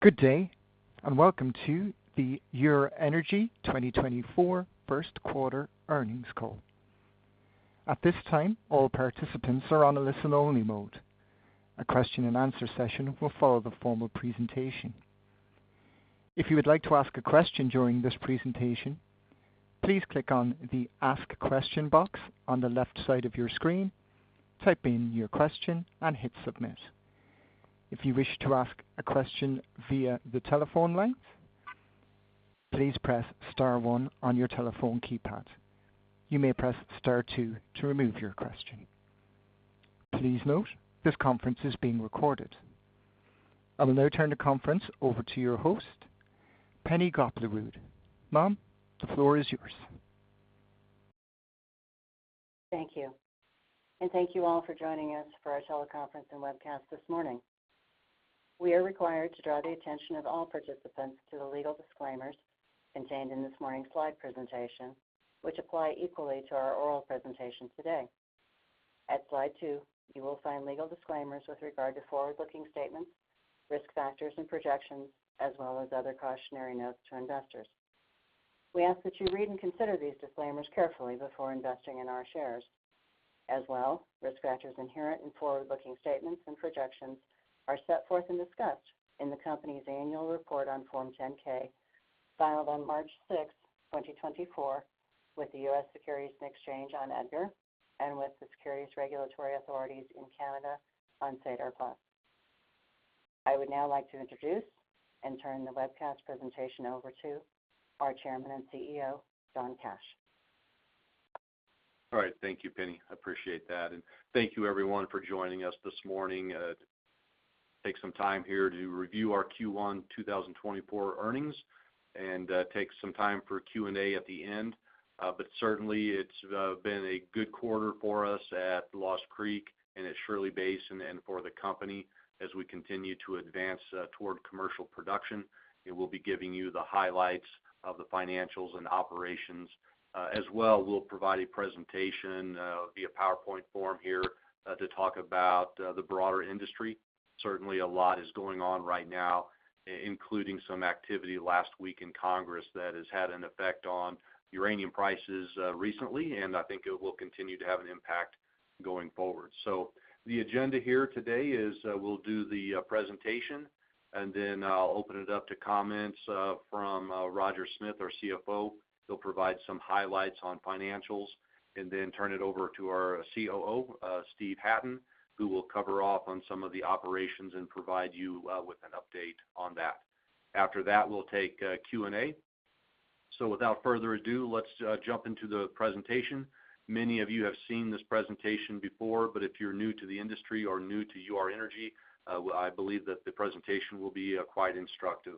Good day and welcome to the Ur-Energy 2024 Q1 earnings call. At this time, all participants are on a listen-only mode. A question-and-answer session will follow the formal presentation. If you would like to ask a question during this presentation, please click on the "Ask Question" box on the left side of your screen, type in your question, and hit submit. If you wish to ask a question via the telephone line, please press star one on your telephone keypad. You may press star two to remove your question. Please note, this conference is being recorded. I will now turn the conference over to your host, Penne Goplerud. Ma'am, the floor is yours. Thank you. Thank you all for joining us for our teleconference and webcast this morning. We are required to draw the attention of all participants to the legal disclaimers contained in this morning's slide presentation, which apply equally to our oral presentation today. At slide two, you will find legal disclaimers with regard to forward-looking statements, risk factors, and projections, as well as other cautionary notes to investors. We ask that you read and consider these disclaimers carefully before investing in our shares. As well, risk factors inherent in forward-looking statements and projections are set forth and discussed in the company's annual report on Form 10-K, filed on March 6, 2024, with the U.S. Securities and Exchange Commission on EDGAR and with the Securities Regulatory Authorities in Canada on SEDAR+. I would now like to introduce and turn the webcast presentation over to our Chairman and CEO, John Cash. All right. Thank you, Penne. I appreciate that. Thank you, everyone, for joining us this morning. Take some time here to review our Q1 2024 earnings and take some time for Q&A at the end. Certainly, it's been a good quarter for us at Lost Creek and at Shirley Basin and for the company. As we continue to advance toward commercial production, we'll be giving you the highlights of the financials and operations. As well, we'll provide a presentation via PowerPoint form here to talk about the broader industry. Certainly, a lot is going on right now, including some activity last week in Congress that has had an effect on uranium prices recently, and I think it will continue to have an impact going forward. The agenda here today is we'll do the presentation, and then I'll open it up to comments from Roger Smith, our CFO. He'll provide some highlights on financials and then turn it over to our COO, Steve Hatten, who will cover off on some of the operations and provide you with an update on that. After that, we'll take Q&A. So without further ado, let's jump into the presentation. Many of you have seen this presentation before, but if you're new to the industry or new to Ur-Energy, I believe that the presentation will be quite instructive.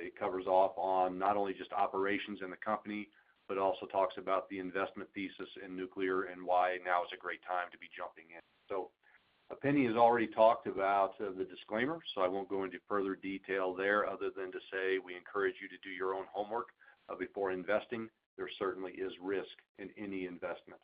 It covers off on not only just operations in the company but also talks about the investment thesis in nuclear and why now is a great time to be jumping in. So Penne has already talked about the disclaimer, so I won't go into further detail there other than to say we encourage you to do your own homework before investing. There certainly is risk in any investment.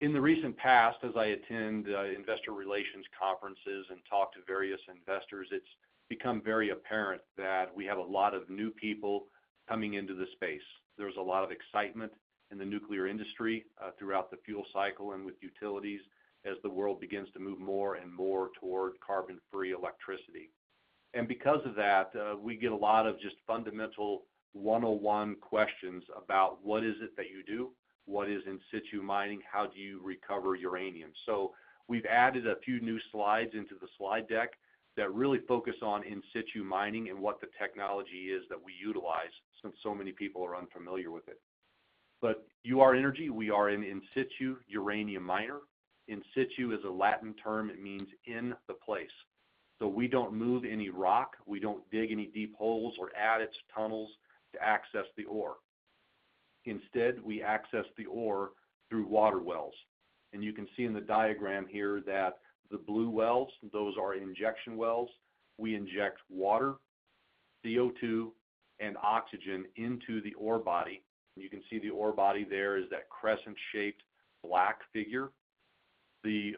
In the recent past, as I attend investor relations conferences and talk to various investors, it's become very apparent that we have a lot of new people coming into the space. There's a lot of excitement in the nuclear industry throughout the fuel cycle and with utilities as the world begins to move more and more toward carbon-free electricity. And because of that, we get a lot of just fundamental 101 questions about what is it that you do, what is in situ mining, how do you recover uranium? So we've added a few new slides into the slide deck that really focus on in situ mining and what the technology is that we utilize since so many people are unfamiliar with it. But Ur-Energy, we are an in situ uranium miner. In situ is a Latin term. It means in the place. So we don't move any rock. We don't dig any deep holes or adit tunnels to access the ore. Instead, we access the ore through water wells. You can see in the diagram here that the blue wells, those are injection wells. We inject water, CO2, and oxygen into the ore body. You can see the ore body there is that crescent-shaped black figure. The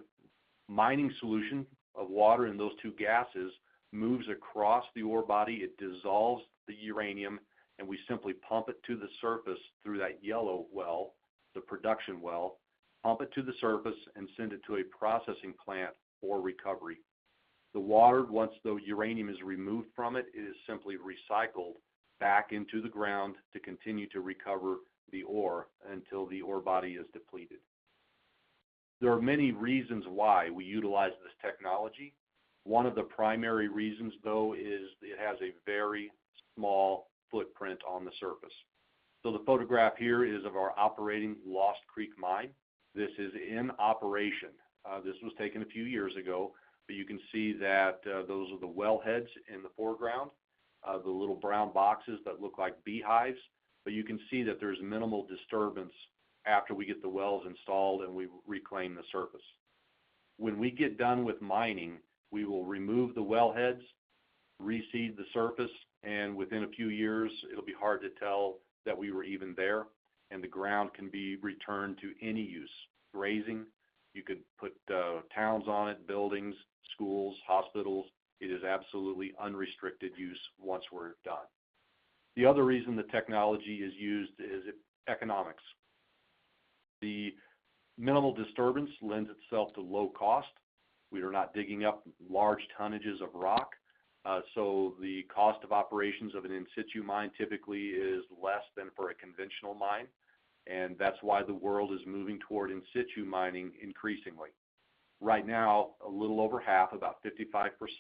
mining solution of water and those two gases moves across the ore body. It dissolves the uranium, and we simply pump it to the surface through that yellow well, the production well, pump it to the surface, and send it to a processing plant for recovery. The water, once the uranium is removed from it, it is simply recycled back into the ground to continue to recover the ore until the ore body is depleted. There are many reasons why we utilize this technology. One of the primary reasons, though, is it has a very small footprint on the surface. So the photograph here is of our operating Lost Creek Mine. This is in operation. This was taken a few years ago, but you can see that those are the well heads in the foreground, the little brown boxes that look like beehives. But you can see that there's minimal disturbance after we get the wells installed and we reclaim the surface. When we get done with mining, we will remove the well heads, reseed the surface, and within a few years, it'll be hard to tell that we were even there, and the ground can be returned to any use. Grazing, you could put towns on it, buildings, schools, hospitals. It is absolutely unrestricted use once we're done. The other reason the technology is used is economics. The minimal disturbance lends itself to low cost. We are not digging up large tonnages of rock. So the cost of operations of an in situ mine typically is less than for a conventional mine. And that's why the world is moving toward in situ mining increasingly. Right now, a little over half, about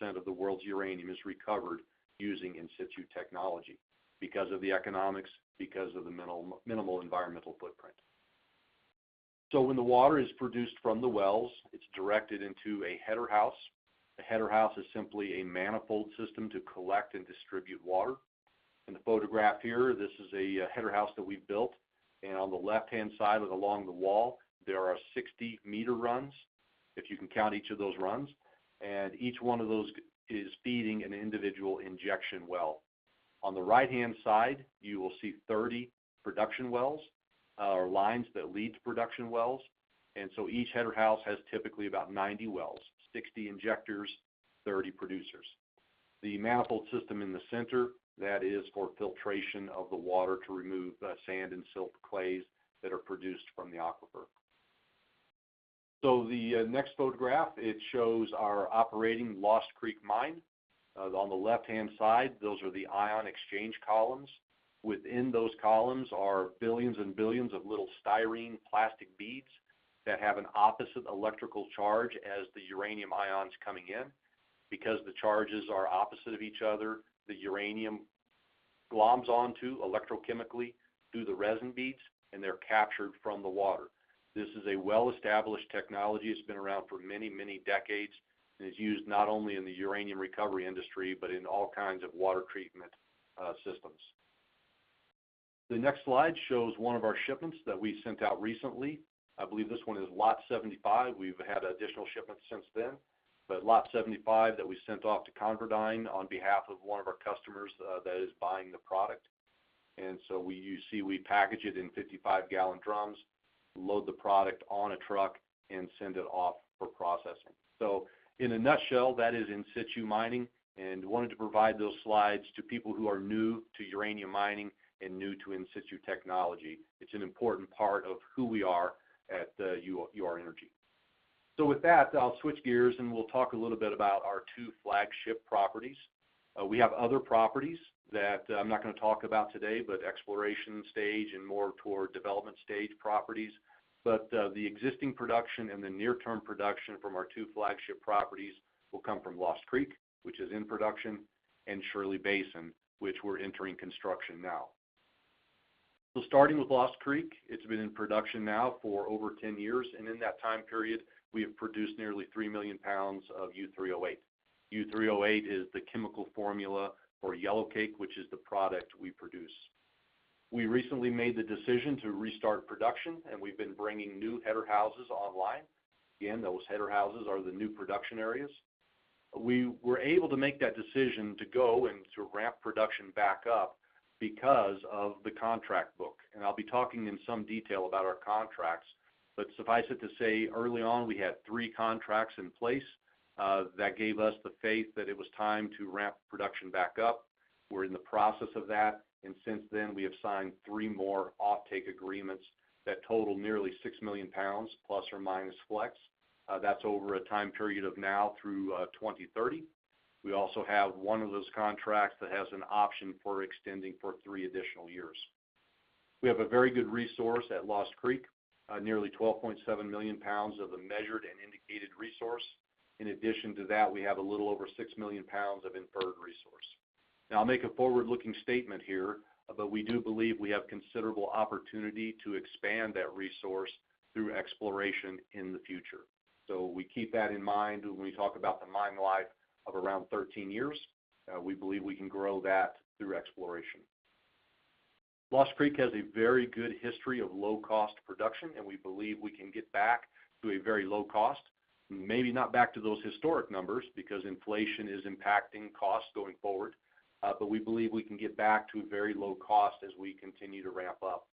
55% of the world's uranium is recovered using in situ technology because of the economics, because of the minimal environmental footprint. So when the water is produced from the wells, it's directed into a Header House. A Header House is simply a manifold system to collect and distribute water. In the photograph here, this is a Header House that we've built. And on the left-hand side along the wall, there are 60 meter runs, if you can count each of those runs. And each one of those is feeding an individual injection well. On the right-hand side, you will see 30 production wells or lines that lead to production wells. Each Header House has typically about 90 wells, 60 injectors, 30 producers. The manifold system in the center, that is for filtration of the water to remove sand and silt clays that are produced from the aquifer. The next photograph, it shows our operating Lost Creek Mine. On the left-hand side, those are the ion exchange columns. Within those columns are billions and billions of little styrene plastic beads that have an opposite electrical charge as the uranium ions coming in. Because the charges are opposite of each other, the uranium gloms onto electrochemically through the resin beads, and they're captured from the water. This is a well-established technology. It's been around for many, many decades and is used not only in the uranium recovery industry but in all kinds of water treatment systems. The next slide shows one of our shipments that we sent out recently. I believe this one is Lot 75. We've had additional shipments since then, but Lot 75 that we sent off to ConverDyn on behalf of one of our customers that is buying the product. And so we see we package it in 55-gallon drums, load the product on a truck, and send it off for processing. So in a nutshell, that is in situ mining. And wanted to provide those slides to people who are new to uranium mining and new to in situ technology. It's an important part of who we are at Ur-Energy. So with that, I'll switch gears, and we'll talk a little bit about our two flagship properties. We have other properties that I'm not going to talk about today, but exploration stage and more toward development stage properties. But the existing production and the near-term production from our two flagship properties will come from Lost Creek, which is in production, and Shirley Basin, which we're entering construction now. So starting with Lost Creek, it's been in production now for over 10 years. And in that time period, we have produced nearly 3 million pounds of U3O8. U3O8 is the chemical formula for yellowcake, which is the product we produce. We recently made the decision to restart production, and we've been bringing new Header Houses online. Again, those Header Houses are the new production areas. We were able to make that decision to go and to ramp production back up because of the contract book. And I'll be talking in some detail about our contracts. But suffice it to say, early on, we had three contracts in place that gave us the faith that it was time to ramp production back up. We're in the process of that. And since then, we have signed three more offtake agreements that total nearly 6 million pounds plus or minus flex. That's over a time period of now through 2030. We also have one of those contracts that has an option for extending for three additional years. We have a very good resource at Lost Creek, nearly 12.7 million pounds of a measured and indicated resource. In addition to that, we have a little over 6 million pounds of inferred resource. Now, I'll make a forward-looking statement here, but we do believe we have considerable opportunity to expand that resource through exploration in the future. So we keep that in mind when we talk about the mine life of around 13 years. We believe we can grow that through exploration. Lost Creek has a very good history of low-cost production, and we believe we can get back to a very low cost, maybe not back to those historic numbers because inflation is impacting costs going forward, but we believe we can get back to a very low cost as we continue to ramp up.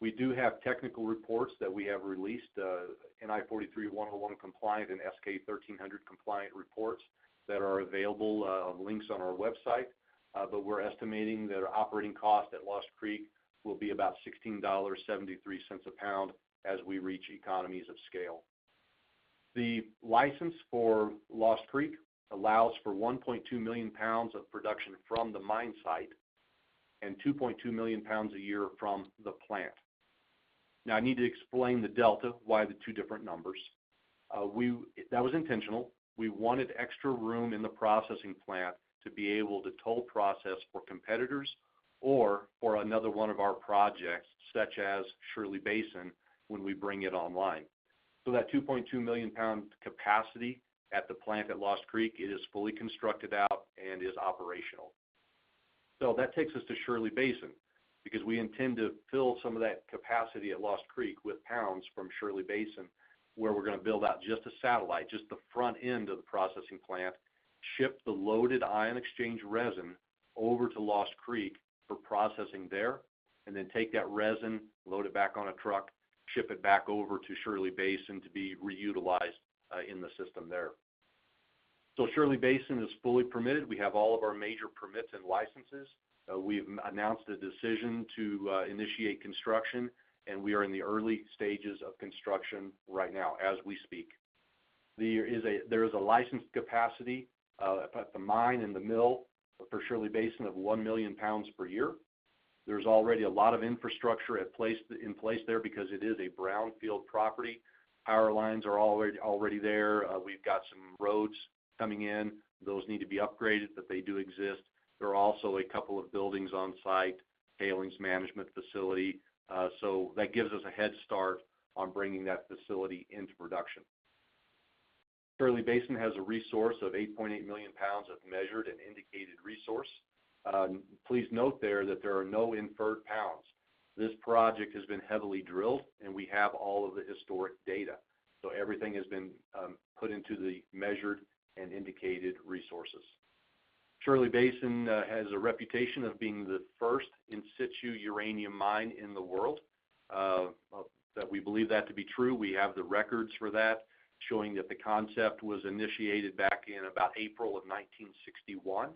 We do have technical reports that we have released, NI 43-101 compliant and S-K 1300 compliant reports that are available on links on our website. But we're estimating that our operating cost at Lost Creek will be about $16.73 a pound as we reach economies of scale. The license for Lost Creek allows for 1.2 million pounds of production from the mine site and 2.2 million pounds a year from the plant. Now, I need to explain the delta, why the two different numbers. That was intentional. We wanted extra room in the processing plant to be able to toll process for competitors or for another one of our projects, such as Shirley Basin, when we bring it online. So that 2.2 million-pound capacity at the plant at Lost Creek, it is fully constructed out and is operational. So that takes us to Shirley Basin because we intend to fill some of that capacity at Lost Creek with pounds from Shirley Basin, where we're going to build out just a satellite, just the front end of the processing plant, ship the loaded ion exchange resin over to Lost Creek for processing there, and then take that resin, load it back on a truck, ship it back over to Shirley Basin to be reutilized in the system there. So Shirley Basin is fully permitted. We have all of our major permits and licenses. We've announced a decision to initiate construction, and we are in the early stages of construction right now as we speak. There is a licensed capacity at the mine and the mill for Shirley Basin of 1 million pounds per year. There's already a lot of infrastructure in place there because it is a brownfield property. Power lines are already there. We've got some roads coming in. Those need to be upgraded, but they do exist. There are also a couple of buildings on site, tailings management facility. So that gives us a head start on bringing that facility into production. Shirley Basin has a resource of 8.8 million pounds of measured and indicated resource. Please note that there are no inferred pounds. This project has been heavily drilled, and we have all of the historic data. So everything has been put into the measured and indicated resources. Shirley Basin has a reputation of being the first in situ uranium mine in the world. We believe that to be true. We have the records for that showing that the concept was initiated back in about April of 1961.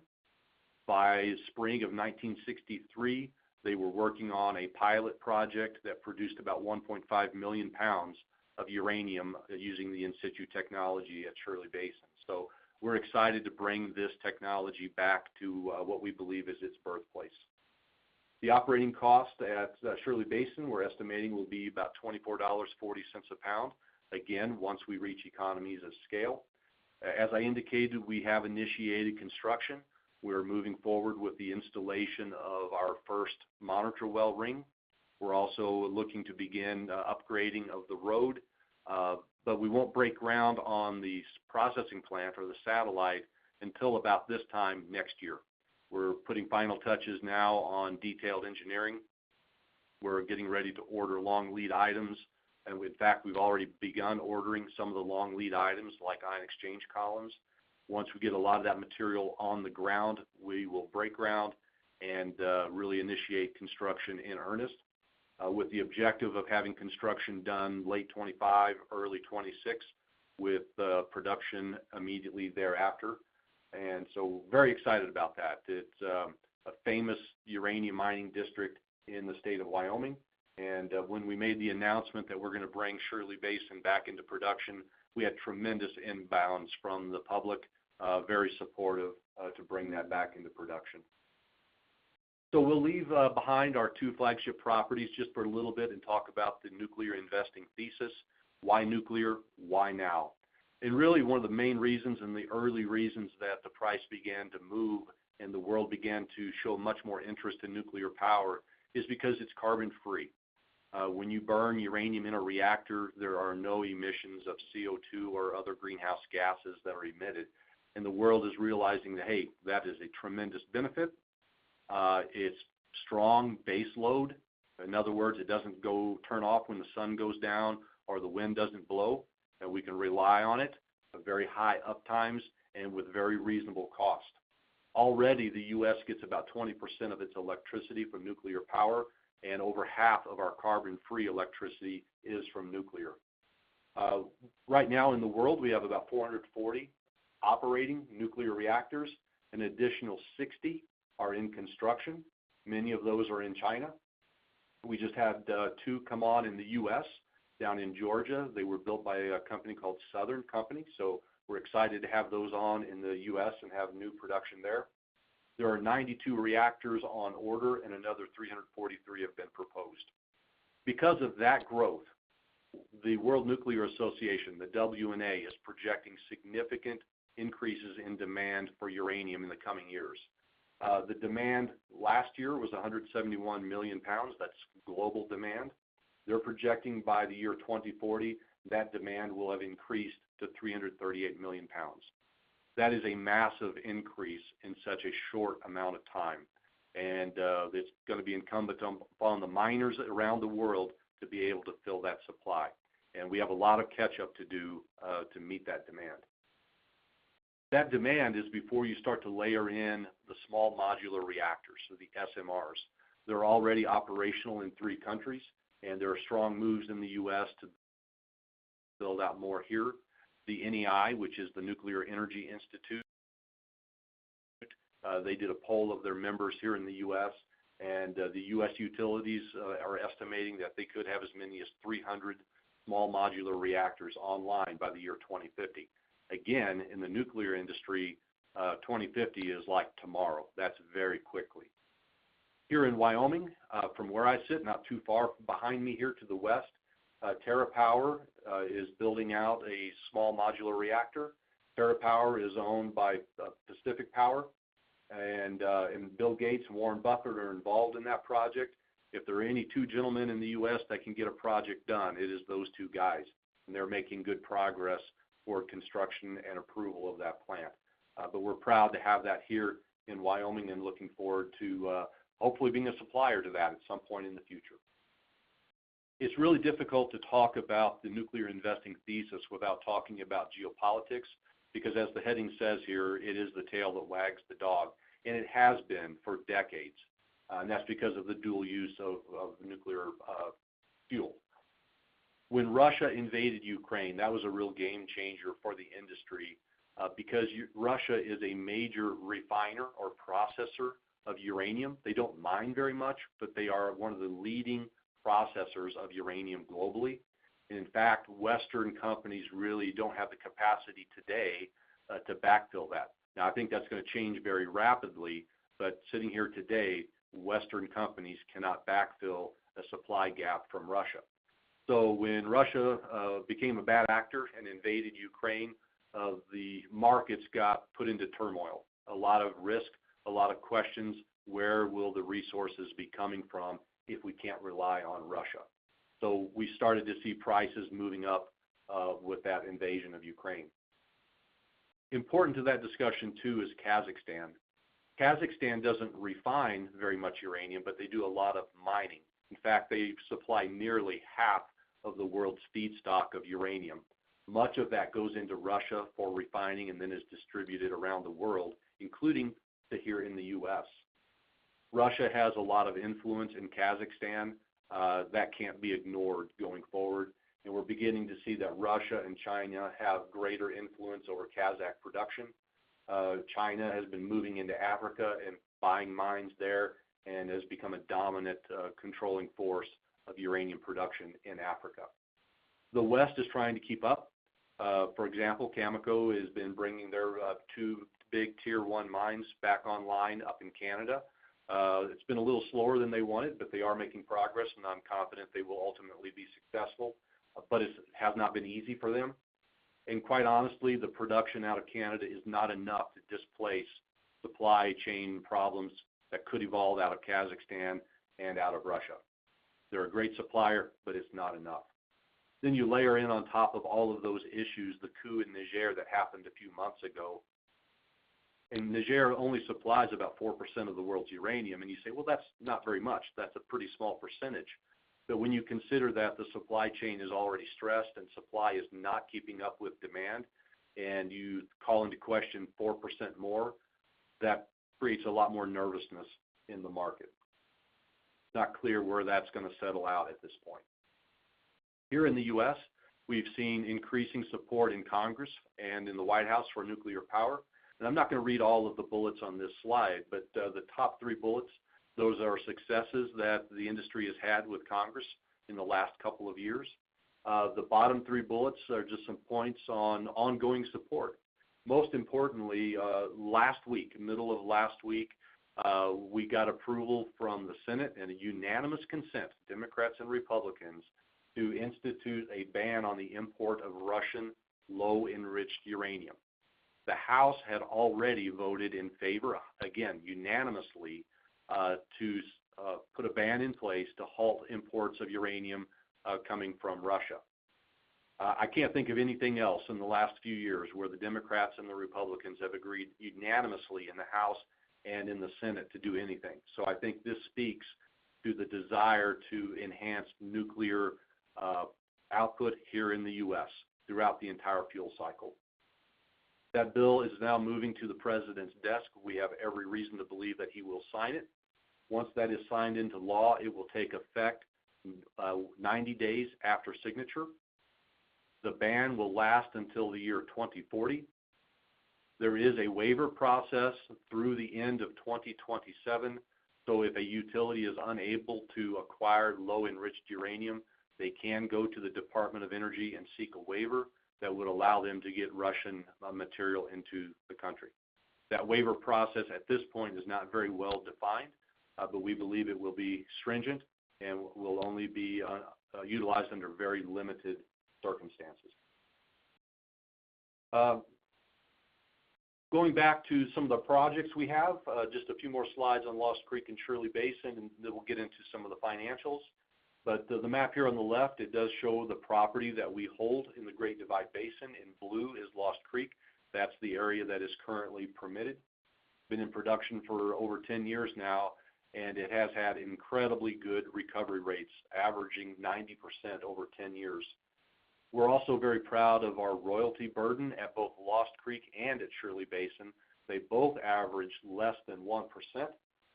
By spring of 1963, they were working on a pilot project that produced about 1.5 million pounds of uranium using the in situ technology at Shirley Basin. So we're excited to bring this technology back to what we believe is its birthplace. The operating cost at Shirley Basin, we're estimating, will be about $24.40 a pound, again, once we reach economies of scale. As I indicated, we have initiated construction. We're moving forward with the installation of our first monitor well ring. We're also looking to begin upgrading of the road. But we won't break ground on the processing plant or the satellite until about this time next year. We're putting final touches now on detailed engineering. We're getting ready to order long lead items. And in fact, we've already begun ordering some of the long lead items, like ion exchange columns. Once we get a lot of that material on the ground, we will break ground and really initiate construction in earnest with the objective of having construction done late 2025, early 2026, with production immediately thereafter. And so very excited about that. It's a famous uranium mining district in the state of Wyoming. And when we made the announcement that we're going to bring Shirley Basin back into production, we had tremendous inbounds from the public, very supportive to bring that back into production. So we'll leave behind our two flagship properties just for a little bit and talk about the nuclear investing thesis, why nuclear, why now. And really, one of the main reasons and the early reasons that the price began to move and the world began to show much more interest in nuclear power is because it's carbon-free. When you burn uranium in a reactor, there are no emissions of CO2 or other greenhouse gases that are emitted. And the world is realizing that, hey, that is a tremendous benefit. It's strong base load. In other words, it doesn't turn off when the sun goes down or the wind doesn't blow, and we can rely on it at very high uptimes and with very reasonable cost. Already, the U.S. gets about 20% of its electricity from nuclear power, and over half of our carbon-free electricity is from nuclear. Right now in the world, we have about 440 operating nuclear reactors. An additional 60 are in construction. Many of those are in China. We just had two come on in the U.S. down in Georgia. They were built by a company called Southern Company. So we're excited to have those on in the U.S. and have new production there. There are 92 reactors on order, and another 343 have been proposed. Because of that growth, the World Nuclear Association, the WNA, is projecting significant increases in demand for uranium in the coming years. The demand last year was 171 million pounds. That's global demand. They're projecting by the year 2040, that demand will have increased to 338 million pounds. That is a massive increase in such a short amount of time. It's going to be incumbent upon the miners around the world to be able to fill that supply. We have a lot of catch-up to do to meet that demand. That demand is before you start to layer in the small modular reactors, so the SMRs. They're already operational in three countries, and there are strong moves in the U.S. to build out more here. The NEI, which is the Nuclear Energy Institute, they did a poll of their members here in the U.S. The U.S. utilities are estimating that they could have as many as 300 small modular reactors online by the year 2050. Again, in the nuclear industry, 2050 is like tomorrow. That's very quickly. Here in Wyoming, from where I sit, not too far behind me here to the west, TerraPower is building out a small modular reactor. TerraPower is owned by Pacific Power. Bill Gates and Warren Buffett are involved in that project. If there are any two gentlemen in the U.S. that can get a project done, it is those two guys. They're making good progress for construction and approval of that plant. We're proud to have that here in Wyoming and looking forward to hopefully being a supplier to that at some point in the future. It's really difficult to talk about the nuclear investing thesis without talking about geopolitics because, as the heading says here, it is the tail that wags the dog. It has been for decades. That's because of the dual use of nuclear fuel. When Russia invaded Ukraine, that was a real game changer for the industry because Russia is a major refiner or processor of uranium. They don't mine very much, but they are one of the leading processors of uranium globally. In fact, Western companies really don't have the capacity today to backfill that. Now, I think that's going to change very rapidly. Sitting here today, Western companies cannot backfill a supply gap from Russia. When Russia became a bad actor and invaded Ukraine, the markets got put into turmoil, a lot of risk, a lot of questions, where will the resources be coming from if we can't rely on Russia? We started to see prices moving up with that invasion of Ukraine. Important to that discussion, too, is Kazakhstan. Kazakhstan doesn't refine very much uranium, but they do a lot of mining. In fact, they supply nearly half of the world's feedstock of uranium. Much of that goes into Russia for refining and then is distributed around the world, including here in the U.S. Russia has a lot of influence in Kazakhstan. That can't be ignored going forward. We're beginning to see that Russia and China have greater influence over Kazakh production. China has been moving into Africa and buying mines there and has become a dominant controlling force of uranium production in Africa. The West is trying to keep up. For example, Cameco has been bringing their two big tier-one mines back online up in Canada. It's been a little slower than they wanted, but they are making progress, and I'm confident they will ultimately be successful. It has not been easy for them. Quite honestly, the production out of Canada is not enough to displace supply chain problems that could evolve out of Kazakhstan and out of Russia. They're a great supplier, but it's not enough. Then you layer in on top of all of those issues, the coup in Niger that happened a few months ago. And Niger only supplies about 4% of the world's uranium. And you say, "Well, that's not very much. That's a pretty small percentage." But when you consider that the supply chain is already stressed and supply is not keeping up with demand, and you call into question 4% more, that creates a lot more nervousness in the market. It's not clear where that's going to settle out at this point. Here in the U.S., we've seen increasing support in Congress and in the White House for nuclear power. I'm not going to read all of the bullets on this slide, but the top three bullets, those are successes that the industry has had with Congress in the last couple of years. The bottom three bullets are just some points on ongoing support. Most importantly, last week, middle of last week, we got approval from the Senate and unanimous consent, Democrats and Republicans, to institute a ban on the import of Russian low-enriched uranium. The House had already voted in favor, again, unanimously, to put a ban in place to halt imports of uranium coming from Russia. I can't think of anything else in the last few years where the Democrats and the Republicans have agreed unanimously in the House and in the Senate to do anything. So I think this speaks to the desire to enhance nuclear output here in the U.S. throughout the entire fuel cycle. That bill is now moving to the president's desk. We have every reason to believe that he will sign it. Once that is signed into law, it will take effect 90 days after signature. The ban will last until the year 2040. There is a waiver process through the end of 2027. So if a utility is unable to acquire low-enriched uranium, they can go to the Department of Energy and seek a waiver that would allow them to get Russian material into the country. That waiver process at this point is not very well defined, but we believe it will be stringent and will only be utilized under very limited circumstances. Going back to some of the projects we have, just a few more slides on Lost Creek and Shirley Basin, and then we'll get into some of the financials. But the map here on the left, it does show the property that we hold in the Great Divide Basin. In blue is Lost Creek. That's the area that is currently permitted. It's been in production for over 10 years now, and it has had incredibly good recovery rates, averaging 90% over 10 years. We're also very proud of our royalty burden at both Lost Creek and at Shirley Basin. They both average less than 1%.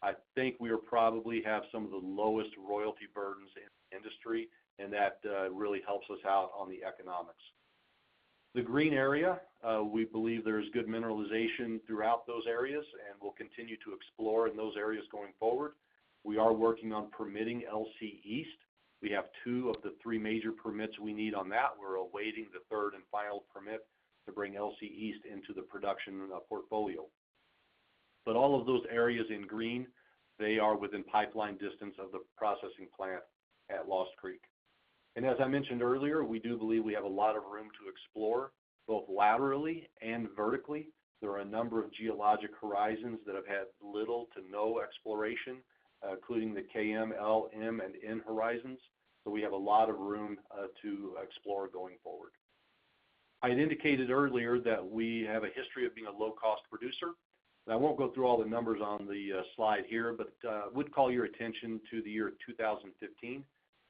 I think we probably have some of the lowest royalty burdens in the industry, and that really helps us out on the economics. The green area, we believe there's good mineralization throughout those areas, and we'll continue to explore in those areas going forward. We are working on permitting LC East. We have two of the three major permits we need on that. We're awaiting the third and final permit to bring LC East into the production portfolio. But all of those areas in green, they are within pipeline distance of the processing plant at Lost Creek. And as I mentioned earlier, we do believe we have a lot of room to explore both laterally and vertically. There are a number of geologic horizons that have had little to no exploration, including the KM, LM, and N horizons. So we have a lot of room to explore going forward. I had indicated earlier that we have a history of being a low-cost producer. And I won't go through all the numbers on the slide here, but I would call your attention to the year 2015.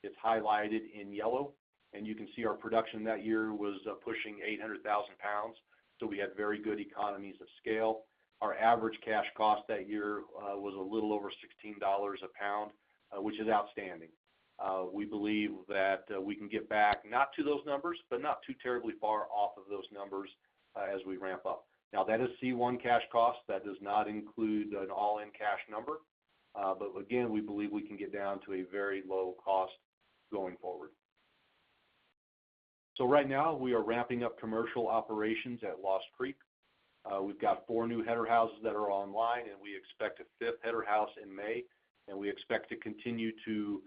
It's highlighted in yellow. And you can see our production that year was pushing 800,000 pounds. So we had very good economies of scale. Our average cash cost that year was a little over $16 a pound, which is outstanding. We believe that we can get back not to those numbers, but not too terribly far off of those numbers as we ramp up. Now, that is C1 Cash Cost. That does not include an all-in cash number. But again, we believe we can get down to a very low cost going forward. So right now, we are ramping up commercial operations at Lost Creek. We've got four new Header Houses that are online, and we expect a fifth Header House in May. And we expect to continue to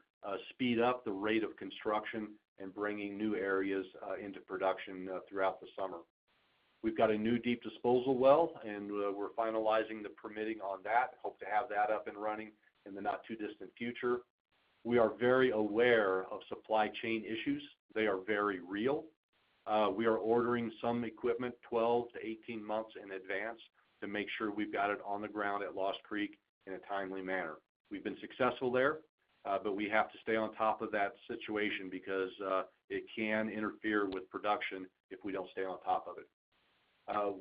speed up the rate of construction and bringing new areas into production throughout the summer. We've got a new deep disposal well, and we're finalizing the permitting on that. Hope to have that up and running in the not-too-distant future. We are very aware of supply chain issues. They are very real. We are ordering some equipment 12-18 months in advance to make sure we've got it on the ground at Lost Creek in a timely manner. We've been successful there, but we have to stay on top of that situation because it can interfere with production if we don't stay on top of it.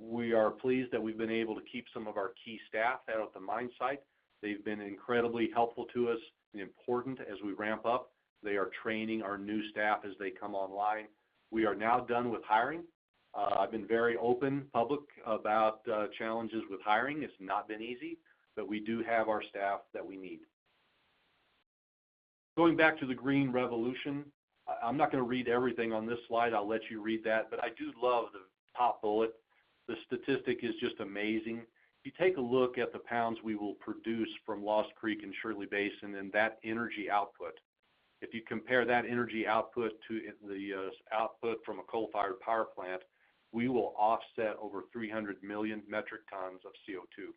We are pleased that we've been able to keep some of our key staff out at the mine site. They've been incredibly helpful to us and important as we ramp up. They are training our new staff as they come online. We are now done with hiring. I've been very open, public, about challenges with hiring. It's not been easy, but we do have our staff that we need. Going back to the green revolution, I'm not going to read everything on this slide. I'll let you read that. But I do love the top bullet. The statistic is just amazing. If you take a look at the pounds we will produce from Lost Creek and Shirley Basin and that energy output, if you compare that energy output to the output from a coal-fired power plant, we will offset over 300 million metric tons of CO2.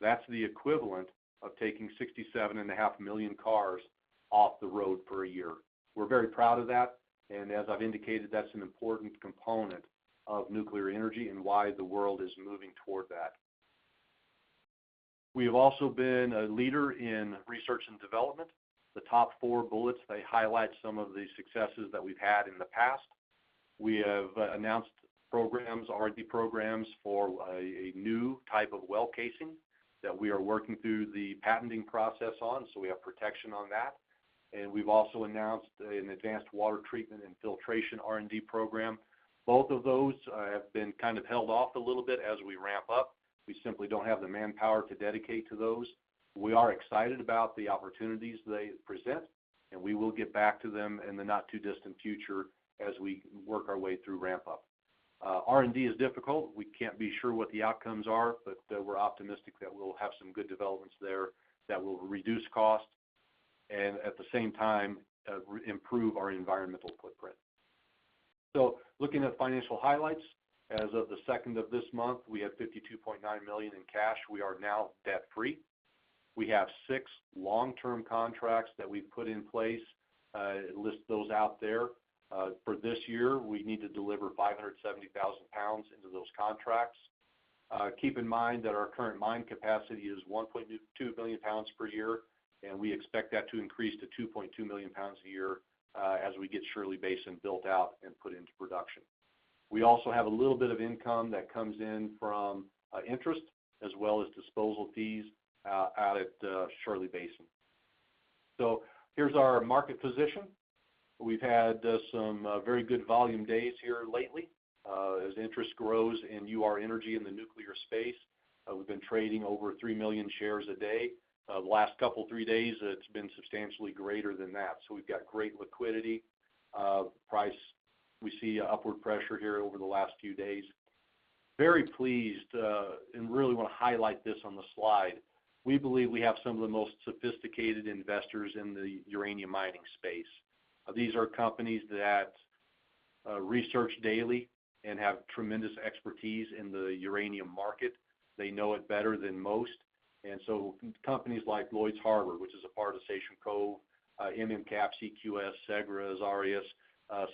That's the equivalent of taking 67.5 million cars off the road for a year. We're very proud of that. And as I've indicated, that's an important component of nuclear energy and why the world is moving toward that. We have also been a leader in research and development. The top four bullets, they highlight some of the successes that we've had in the past. We have announced programs, R&D programs, for a new type of well casing that we are working through the patenting process on. So we have protection on that. And we've also announced an advanced water treatment and filtration R&D program. Both of those have been kind of held off a little bit as we ramp up. We simply don't have the manpower to dedicate to those. We are excited about the opportunities they present, and we will get back to them in the not-too-distant future as we work our way through ramp-up. R&D is difficult. We can't be sure what the outcomes are, but we're optimistic that we'll have some good developments there that will reduce cost and, at the same time, improve our environmental footprint. So looking at financial highlights, as of the second of this month, we had $52.9 million in cash. We are now debt-free. We have 6 long-term contracts that we've put in place. It lists those out there. For this year, we need to deliver 570,000 pounds into those contracts. Keep in mind that our current mine capacity is 1.2 million pounds per year, and we expect that to increase to 2.2 million pounds a year as we get Shirley Basin built out and put into production. We also have a little bit of income that comes in from interest as well as disposal fees out at Shirley Basin. So here's our market position. We've had some very good volume days here lately as interest grows in Ur-Energy in the nuclear space. We've been trading over 3 million shares a day. The last couple, 3 days, it's been substantially greater than that. So we've got great liquidity. We see upward pressure here over the last few days. Very pleased and really want to highlight this on the slide. We believe we have some of the most sophisticated investors in the uranium mining space. These are companies that research daily and have tremendous expertise in the uranium market. They know it better than most. And so companies like Lloyd Harbor, which is a part of Sachem Cove, MMCAP, CQS, Segra, Arias,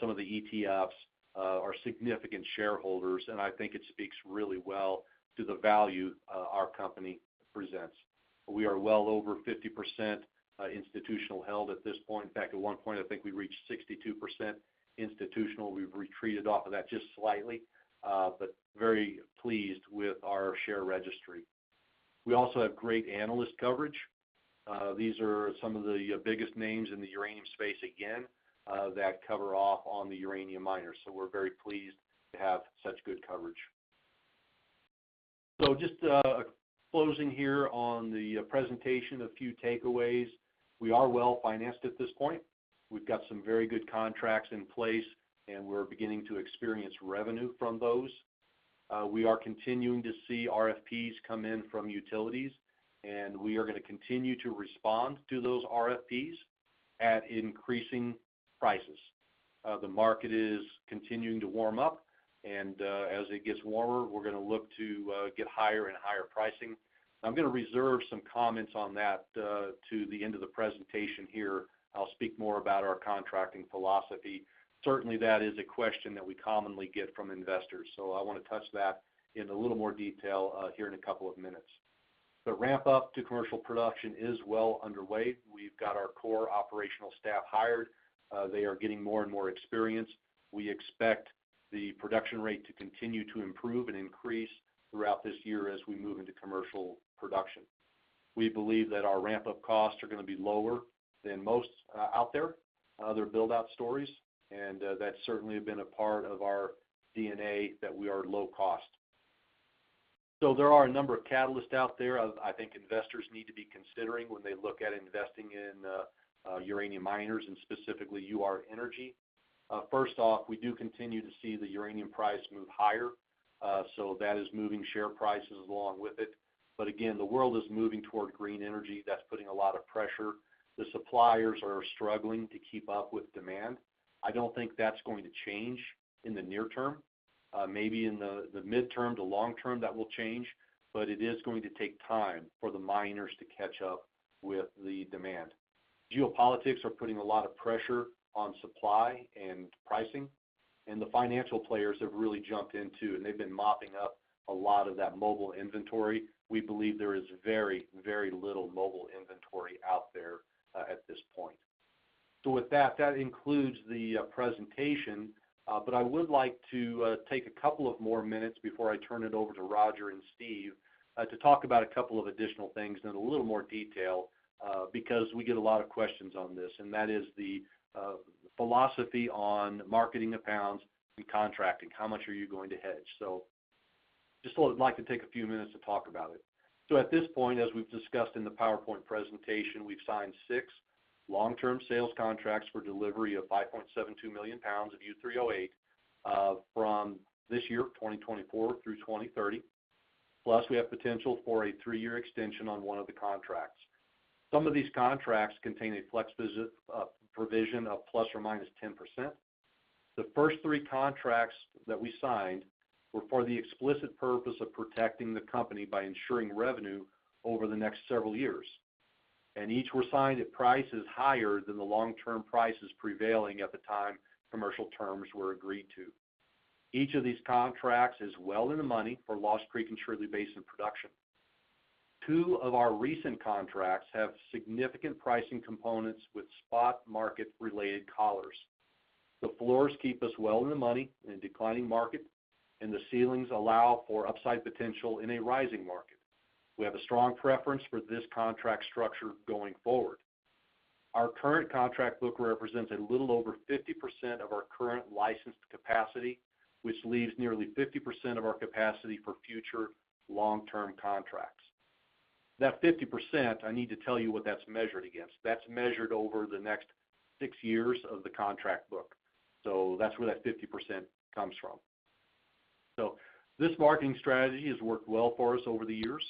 some of the ETFs are significant shareholders. And I think it speaks really well to the value our company presents. We are well over 50% institutional held at this point. In fact, at one point, I think we reached 62% institutional. We've retreated off of that just slightly, but very pleased with our share registry. We also have great analyst coverage. These are some of the biggest names in the uranium space again that cover off on the uranium miners. So we're very pleased to have such good coverage. So just closing here on the presentation, a few takeaways. We are well financed at this point. We've got some very good contracts in place, and we're beginning to experience revenue from those. We are continuing to see RFPs come in from utilities, and we are going to continue to respond to those RFPs at increasing prices. The market is continuing to warm up, and as it gets warmer, we're going to look to get higher and higher pricing. I'm going to reserve some comments on that to the end of the presentation here. I'll speak more about our contracting philosophy. Certainly, that is a question that we commonly get from investors. So I want to touch that in a little more detail here in a couple of minutes. The ramp-up to commercial production is well underway. We've got our core operational staff hired. They are getting more and more experience. We expect the production rate to continue to improve and increase throughout this year as we move into commercial production. We believe that our ramp-up costs are going to be lower than most out there, other build-out stories. And that's certainly been a part of our DNA that we are low-cost. So there are a number of catalysts out there that I think investors need to be considering when they look at investing in uranium miners and specifically Ur-Energy. First off, we do continue to see the uranium price move higher. So that is moving share prices along with it. But again, the world is moving toward green energy. That's putting a lot of pressure. The suppliers are struggling to keep up with demand. I don't think that's going to change in the near term. Maybe in the midterm to long term, that will change. But it is going to take time for the miners to catch up with the demand. Geopolitics are putting a lot of pressure on supply and pricing. And the financial players have really jumped into, and they've been mopping up a lot of that mobile inventory. We believe there is very, very little mobile inventory out there at this point. So with that, that includes the presentation. But I would like to take a couple of more minutes before I turn it over to Roger and Steve to talk about a couple of additional things in a little more detail because we get a lot of questions on this. And that is the philosophy on marketing of pounds and contracting. How much are you going to hedge? So just like to take a few minutes to talk about it. At this point, as we've discussed in the PowerPoint presentation, we've signed six long-term sales contracts for delivery of 5.72 million pounds of U3O8 from this year, 2024, through 2030. Plus, we have potential for a three-year extension on one of the contracts. Some of these contracts contain a flex provision of ±10%. The first three contracts that we signed were for the explicit purpose of protecting the company by ensuring revenue over the next several years. Each were signed at prices higher than the long-term prices prevailing at the time commercial terms were agreed to. Each of these contracts is well in the money for Lost Creek and Shirley Basin production. Two of our recent contracts have significant pricing components with spot market-related collars. The floors keep us well in the money in a declining market, and the ceilings allow for upside potential in a rising market. We have a strong preference for this contract structure going forward. Our current contract book represents a little over 50% of our current licensed capacity, which leaves nearly 50% of our capacity for future long-term contracts. That 50%, I need to tell you what that's measured against. That's measured over the next six years of the contract book. So that's where that 50% comes from. So this marketing strategy has worked well for us over the years.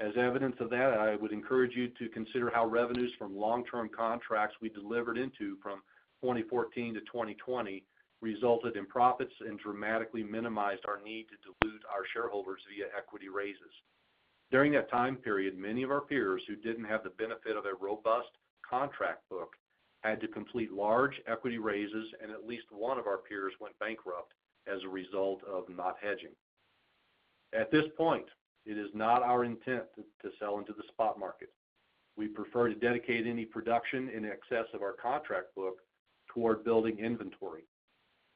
As evidence of that, I would encourage you to consider how revenues from long-term contracts we delivered into from 2014 to 2020 resulted in profits and dramatically minimized our need to dilute our shareholders via equity raises. During that time period, many of our peers who didn't have the benefit of a robust contract book had to complete large equity raises, and at least one of our peers went bankrupt as a result of not hedging. At this point, it is not our intent to sell into the spot market. We prefer to dedicate any production in excess of our contract book toward building inventory.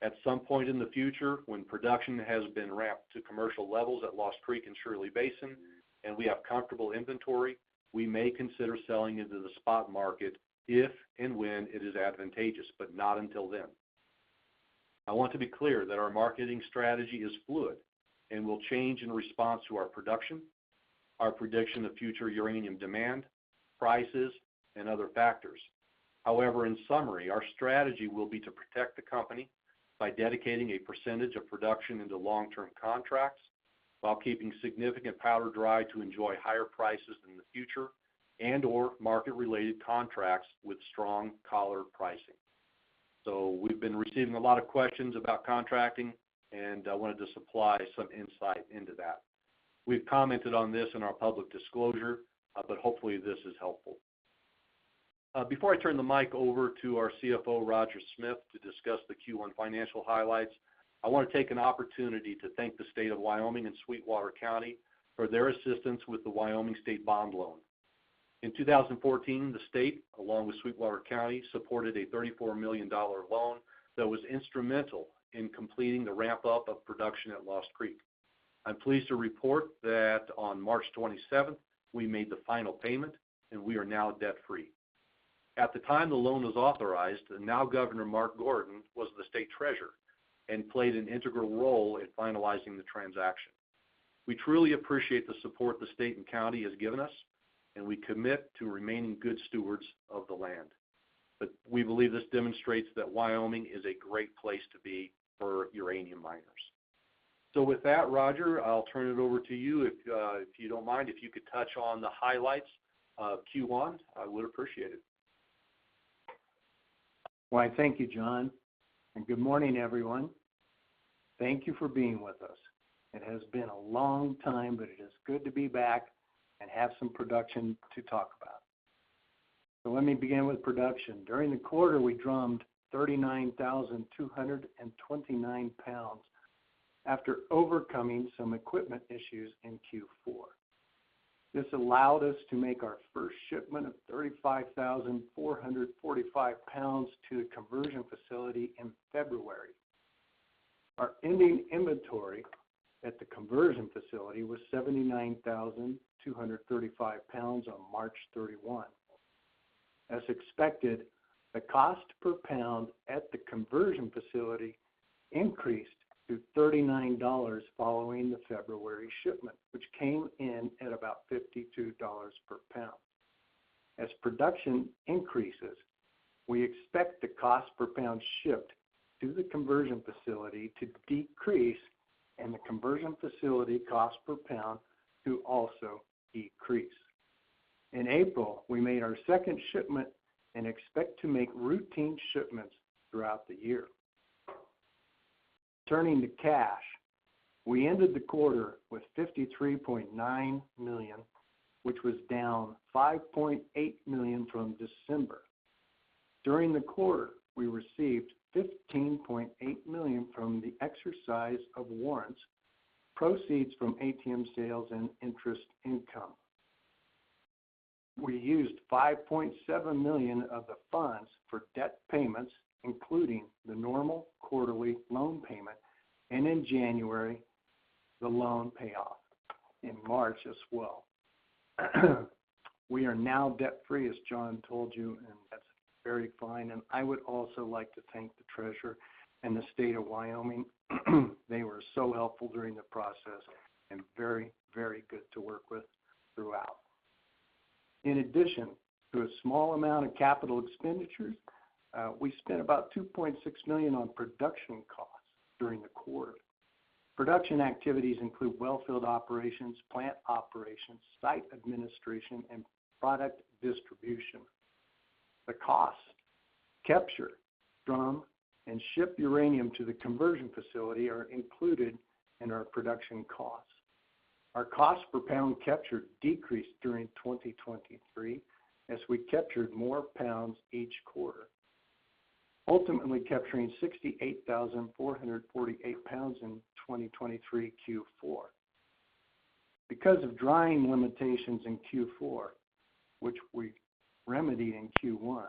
At some point in the future, when production has been ramped to commercial levels at Lost Creek and Shirley Basin and we have comfortable inventory, we may consider selling into the spot market if and when it is advantageous, but not until then. I want to be clear that our marketing strategy is fluid and will change in response to our production, our prediction of future uranium demand, prices, and other factors. However, in summary, our strategy will be to protect the company by dedicating a percentage of production into long-term contracts while keeping significant powder dry to enjoy higher prices in the future and/or market-related contracts with strong collar pricing. So we've been receiving a lot of questions about contracting, and I wanted to supply some insight into that. We've commented on this in our public disclosure, but hopefully, this is helpful. Before I turn the mic over to our CFO, Roger Smith, to discuss the Q1 financial highlights, I want to take an opportunity to thank the state of Wyoming and Sweetwater County for their assistance with the Wyoming State Bond Loan. In 2014, the state, along with Sweetwater County, supported a $34 million loan that was instrumental in completing the ramp-up of production at Lost Creek. I'm pleased to report that on March 27th, we made the final payment, and we are now debt-free. At the time the loan was authorized, the now-Governor Mark Gordon was the State Treasurer and played an integral role in finalizing the transaction. We truly appreciate the support the state and county have given us, and we commit to remaining good stewards of the land. But we believe this demonstrates that Wyoming is a great place to be for uranium miners. So with that, Roger, I'll turn it over to you. If you don't mind, if you could touch on the highlights of Q1, I would appreciate it. Well, I thank you, John. And good morning, everyone. Thank you for being with us. It has been a long time, but it is good to be back and have some production to talk about. So let me begin with production. During the quarter, we drummed 39,229 pounds after overcoming some equipment issues in Q4. This allowed us to make our first shipment of 35,445 pounds to the conversion facility in February. Our ending inventory at the conversion facility was 79,235 pounds on March 31. As expected, the cost per pound at the conversion facility increased to $39 following the February shipment, which came in at about $52 per pound. As production increases, we expect the cost per pound shipped to the conversion facility to decrease and the conversion facility cost per pound to also decrease. In April, we made our second shipment and expect to make routine shipments throughout the year. Turning to cash, we ended the quarter with $53.9 million, which was down $5.8 million from December. During the quarter, we received $15.8 million from the exercise of warrants, proceeds from ATM sales, and interest income. We used $5.7 million of the funds for debt payments, including the normal quarterly loan payment, and in January, the loan payoff in March as well. We are now debt-free, as John told you, and that's very fine. And I would also like to thank the Treasurer and the state of Wyoming. They were so helpful during the process and very, very good to work with throughout. In addition to a small amount of capital expenditures, we spent about $2.6 million on production costs during the quarter. Production activities include wellfield operations, plant operations, site administration, and product distribution. The costs to capture, drum, and ship uranium to the conversion facility are included in our production costs. Our cost per pound captured decreased during 2023 as we captured more pounds each quarter, ultimately capturing 68,448 pounds in 2023 Q4. Because of drying limitations in Q4, which we remedied in Q1,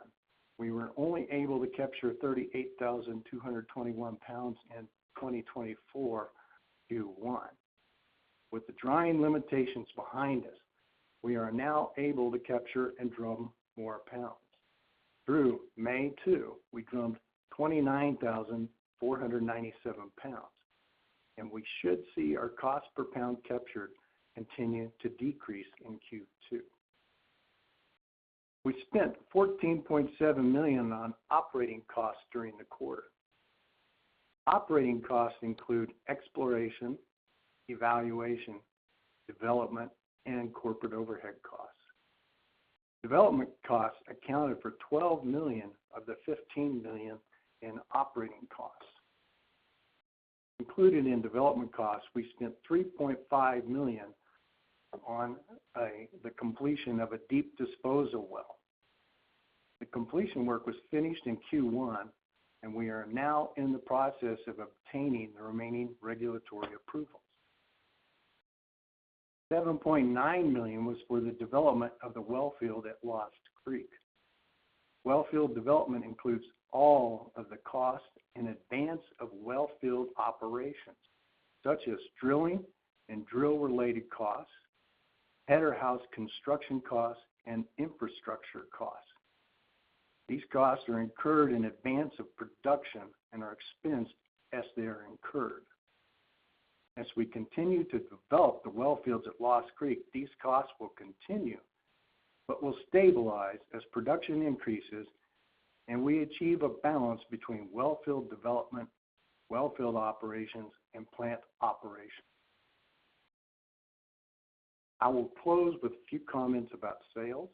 we were only able to capture 38,221 pounds in 2024 Q1. With the drying limitations behind us, we are now able to capture and drum more pounds. Through May 2, we drummed 29,497 pounds, and we should see our cost per pound captured continue to decrease in Q2. We spent $14.7 million on operating costs during the quarter. Operating costs include exploration, evaluation, development, and corporate overhead costs. Development costs accounted for $12 million of the $15 million in operating costs. Included in development costs, we spent $3.5 million on the completion of a deep disposal well. The completion work was finished in Q1, and we are now in the process of obtaining the remaining regulatory approvals. $7.9 million was for the development of the wellfield at Lost Creek. Wellfield development includes all of the costs in advance of wellfield operations, such as drilling and drill-related costs, Header House construction costs, and infrastructure costs. These costs are incurred in advance of production and are expensed as they are incurred. As we continue to develop the wellfields at Lost Creek, these costs will continue but will stabilize as production increases and we achieve a balance between wellfield development, wellfield operations, and plant operations. I will close with a few comments about sales.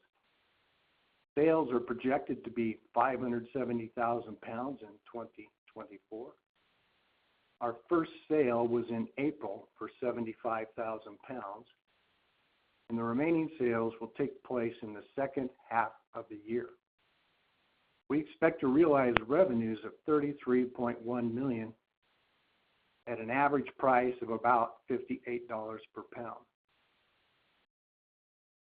Sales are projected to be 570,000 pounds in 2024. Our first sale was in April for 75,000 pounds, and the remaining sales will take place in the H2 of the year. We expect to realize revenues of $33.1 million at an average price of about $58 per pound.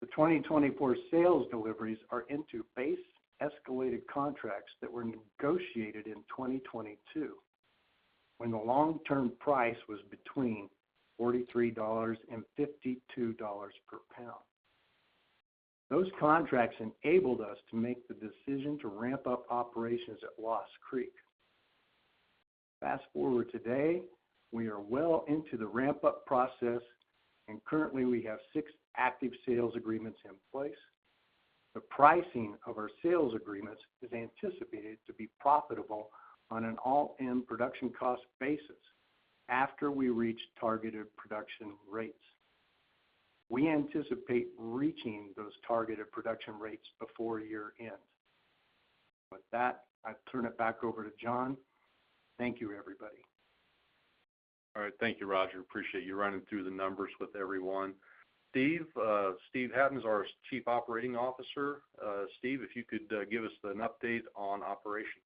The 2024 sales deliveries are into base escalated contracts that were negotiated in 2022 when the long-term price was between $43 and $52 per pound. Those contracts enabled us to make the decision to ramp up operations at Lost Creek. Fast forward today, we are well into the ramp-up process, and currently, we have six active sales agreements in place. The pricing of our sales agreements is anticipated to be profitable on an all-in production cost basis after we reach targeted production rates. We anticipate reaching those targeted production rates before year-end. With that, I turn it back over to John. Thank you, everybody. All right. Thank you, Roger. Appreciate you running through the numbers with everyone. Steve Hatten is our Chief Operating Officer. Steve, if you could give us an update on operations.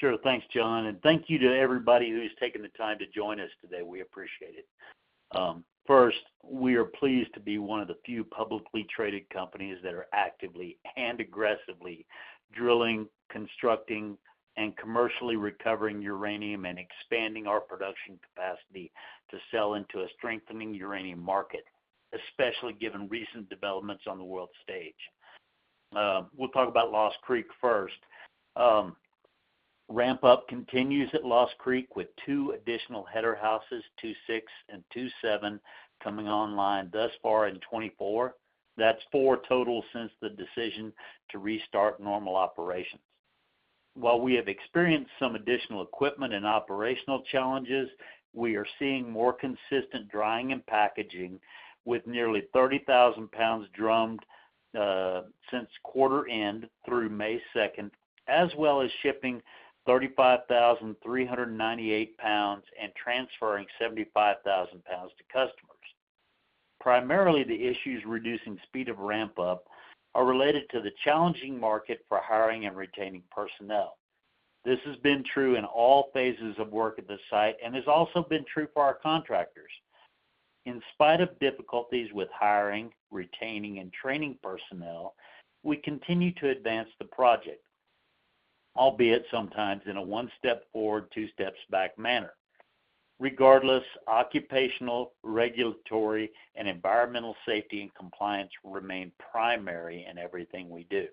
Sure. Thanks, John. And thank you to everybody who's taking the time to join us today. We appreciate it. First, we are pleased to be one of the few publicly traded companies that are actively and aggressively drilling, constructing, and commercially recovering uranium and expanding our production capacity to sell into a strengthening uranium market, especially given recent developments on the world stage. We'll talk about Lost Creek first. Ramp-up continues at Lost Creek with two additional Header Houses, 26 and 27, coming online thus far in 2024. That's four total since the decision to restart normal operations. While we have experienced some additional equipment and operational challenges, we are seeing more consistent drying and packaging with nearly 30,000 lbs drummed since quarter-end through May 2nd, as well as shipping 35,398 lbs and transferring 75,000 lbs to customers. Primarily, the issues reducing speed of ramp-up are related to the challenging market for hiring and retaining personnel. This has been true in all phases of work at the site and has also been true for our contractors. In spite of difficulties with hiring, retaining, and training personnel, we continue to advance the project, albeit sometimes in a one-step forward, two-steps back manner. Regardless, occupational, regulatory, and environmental safety and compliance remain primary in everything we do.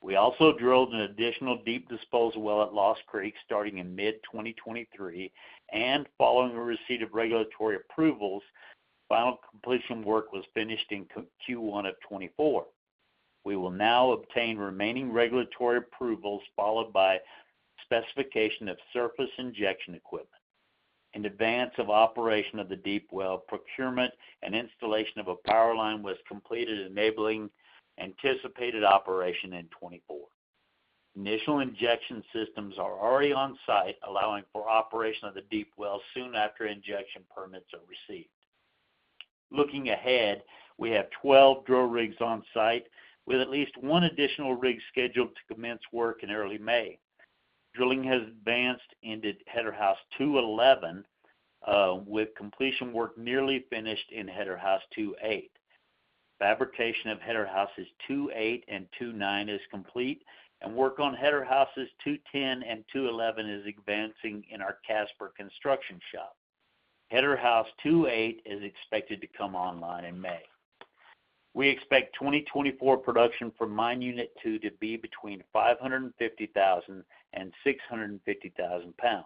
We also drilled an additional deep disposal well at Lost Creek starting in mid-2023, and following the receipt of regulatory approvals, final completion work was finished in Q1 of 2024. We will now obtain remaining regulatory approvals followed by specification of surface injection equipment. In advance of operation of the deep well, procurement and installation of a power line was completed, enabling anticipated operation in 2024. Initial injection systems are already on site, allowing for operation of the deep well soon after injection permits are received. Looking ahead, we have 12 drill rigs on site with at least one additional rig scheduled to commence work in early May. Drilling has advanced into Header House 211, with completion work nearly finished in Header House 28. Fabrication of Header Houses 28 and 29 is complete, and work on Header Houses 210 and 211 is advancing in our Casper construction shop. Header House 28 is expected to come online in May. We expect 2024 production for Mine Unit 2 to be between 550,000 and 650,000 pounds.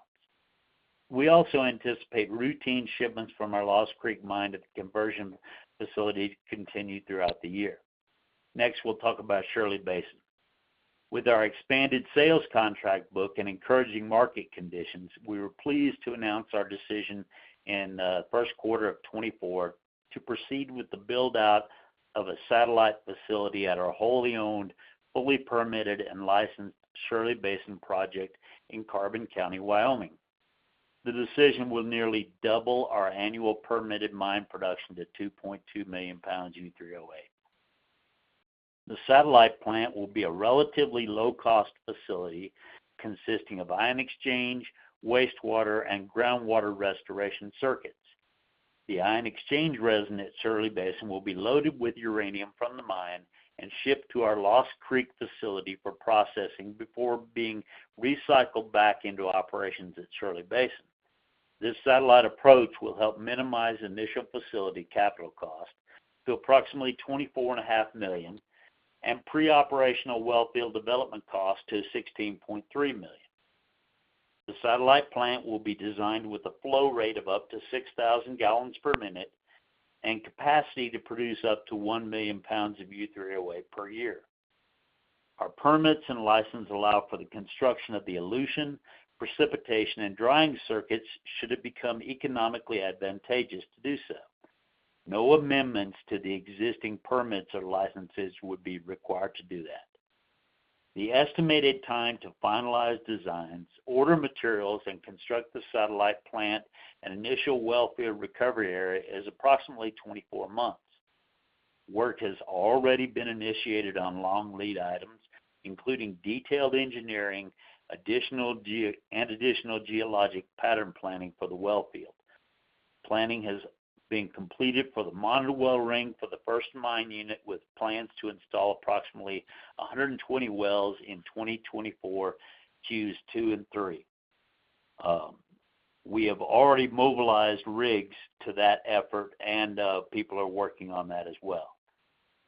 We also anticipate routine shipments from our Lost Creek mine to the conversion facility to continue throughout the year. Next, we'll talk about Shirley Basin. With our expanded sales contract book and encouraging market conditions, we were pleased to announce our decision in the Q1 of 2024 to proceed with the build-out of a satellite facility at our wholly owned, fully permitted, and licensed Shirley Basin project in Carbon County, Wyoming. The decision will nearly double our annual permitted mine production to 2.2 million pounds U3O8. The satellite plant will be a relatively low-cost facility consisting of ion exchange, wastewater, and groundwater restoration circuits. The ion exchange resin at Shirley Basin will be loaded with uranium from the mine and shipped to our Lost Creek facility for processing before being recycled back into operations at Shirley Basin. This satellite approach will help minimize initial facility capital cost to approximately $24.5 million and pre-operational wellfield development cost to $16.3 million. The satellite plant will be designed with a flow rate of up to 6,000 gallons per minute and capacity to produce up to 1 million pounds of U3O8 per year. Our permits and license allow for the construction of the elution, precipitation, and drying circuits should it become economically advantageous to do so. No amendments to the existing permits or licenses would be required to do that. The estimated time to finalize designs, order materials, and construct the satellite plant and initial wellfield recovery area is approximately 24 months. Work has already been initiated on long lead items, including detailed engineering and additional geologic pattern planning for the wellfield. Planning has been completed for the monitor well ring for the first Mine Unit with plans to install approximately 120 wells in 2024 Q2 and Q3. We have already mobilized rigs to that effort, and people are working on that as well.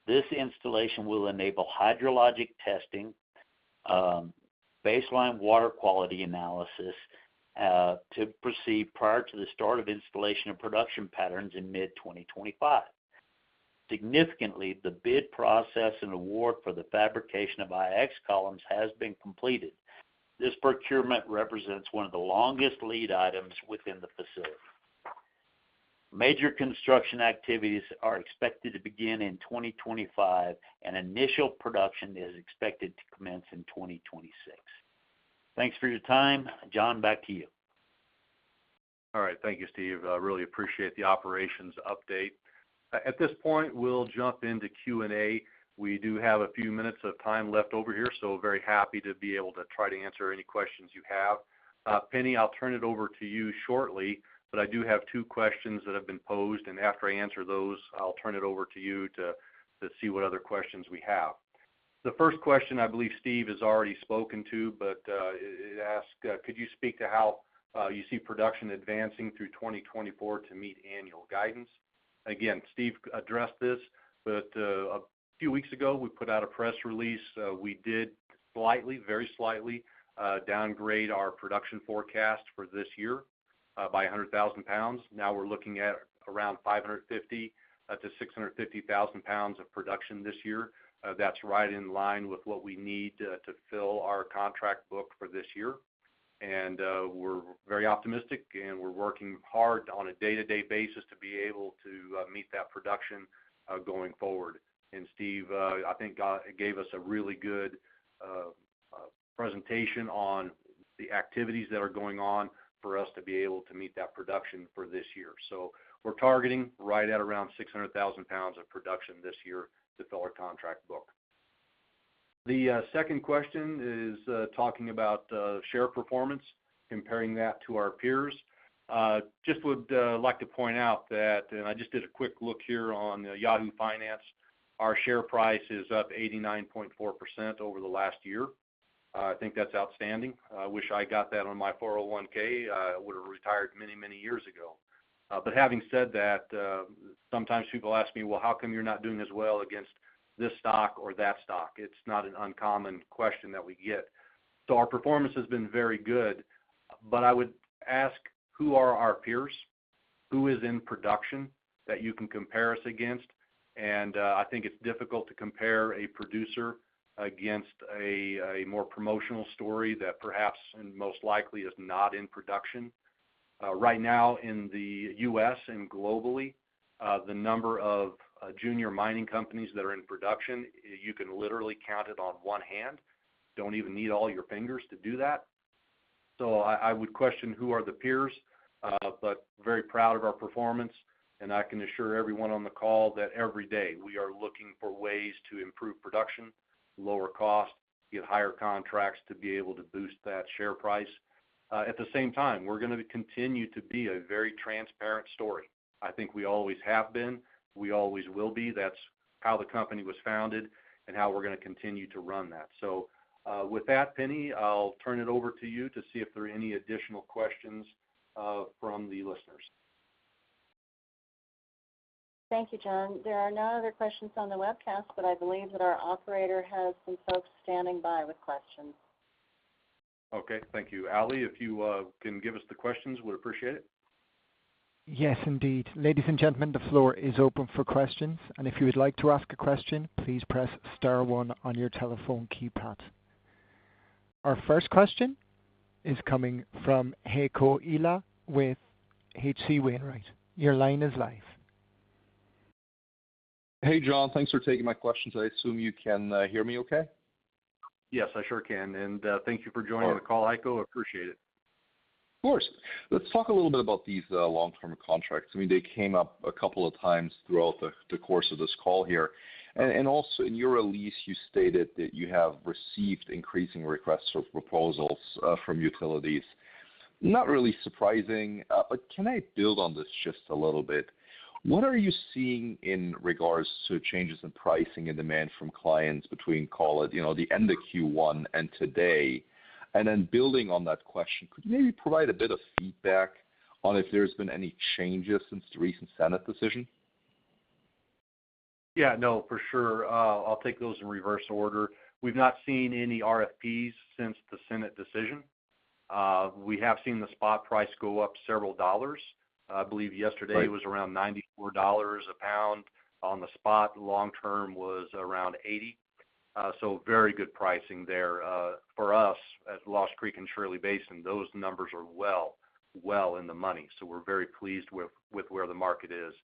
This installation will enable hydrologic testing, baseline water quality analysis to proceed prior to the start of installation of production patterns in mid-2025. Significantly, the bid process and award for the fabrication of IX columns has been completed. This procurement represents one of the longest lead items within the facility. Major construction activities are expected to begin in 2025, and initial production is expected to commence in 2026. Thanks for your time, John. Back to you. All right. Thank you, Steve. I really appreciate the operations update. At this point, we'll jump into Q&A. We do have a few minutes of time left over here, so very happy to be able to try to answer any questions you have. Penne, I'll turn it over to you shortly, but I do have two questions that have been posed, and after I answer those, I'll turn it over to you to see what other questions we have. The first question, I believe Steve has already spoken to, but it asks, could you speak to how you see production advancing through 2024 to meet annual guidance? Again, Steve addressed this, but a few weeks ago, we put out a press release. We did slightly, very slightly, downgrade our production forecast for this year by 100,000 pounds. Now we're looking at around 550,000-650,000 pounds of production this year. That's right in line with what we need to fill our contract book for this year. We're very optimistic, and we're working hard on a day-to-day basis to be able to meet that production going forward. Steve, I think, gave us a really good presentation on the activities that are going on for us to be able to meet that production for this year. So we're targeting right at around 600,000 pounds of production this year to fill our contract book. The second question is talking about share performance, comparing that to our peers. Just would like to point out that, and I just did a quick look here on Yahoo Finance. Our share price is up 89.4% over the last year. I think that's outstanding. I wish I got that on my 401(k). I would have retired many, many years ago. But having said that, sometimes people ask me, "Well, how come you're not doing as well against this stock or that stock?" It's not an uncommon question that we get. So our performance has been very good, but I would ask, who are our peers? Who is in production that you can compare us against? I think it's difficult to compare a producer against a more promotional story that perhaps and most likely is not in production. Right now, in the U.S. and globally, the number of junior mining companies that are in production, you can literally count it on one hand. Don't even need all your fingers to do that. So I would question, who are the peers? But very proud of our performance, and I can assure everyone on the call that every day, we are looking for ways to improve production, lower cost, get higher contracts to be able to boost that share price. At the same time, we're going to continue to be a very transparent story. I think we always have been. We always will be. That's how the company was founded and how we're going to continue to run that. So with that, Penne, I'll turn it over to you to see if there are any additional questions from the listeners. Thank you, John. There are no other questions on the webcast, but I believe that our operator has some folks standing by with questions. Okay. Thank you. Allie, if you can give us the questions, would appreciate it. Yes, indeed. Ladies and gentlemen, the floor is open for questions, and if you would like to ask a question, please press star one on your telephone keypad. Our first question is coming from Heiko Ihle with H.C. Wainwright. Your line is live. Hey, John. Thanks for taking my questions. I assume you can hear me okay? Yes, I sure can. And thank you for joining the call, Heiko. Appreciate it. Of course. Let's talk a little bit about these long-term contracts. I mean, they came up a couple of times throughout the course of this call here. And also, in your release, you stated that you have received increasing requests for proposals from utilities. Not really surprising, but can I build on this just a little bit? What are you seeing in regards to changes in pricing and demand from clients between, call it, the end of Q1 and today? And then building on that question, could you maybe provide a bit of feedback on if there's been any changes since the recent Senate decision? Yeah. No, for sure. I'll take those in reverse order. We've not seen any RFPs since the Senate decision. We have seen the spot price go up several dollars. I believe yesterday, it was around $94 a pound on the spot. Long-term was around $80. So very good pricing there. For us at Lost Creek and Shirley Basin, those numbers are well, well in the money. So we're very pleased with where the market is.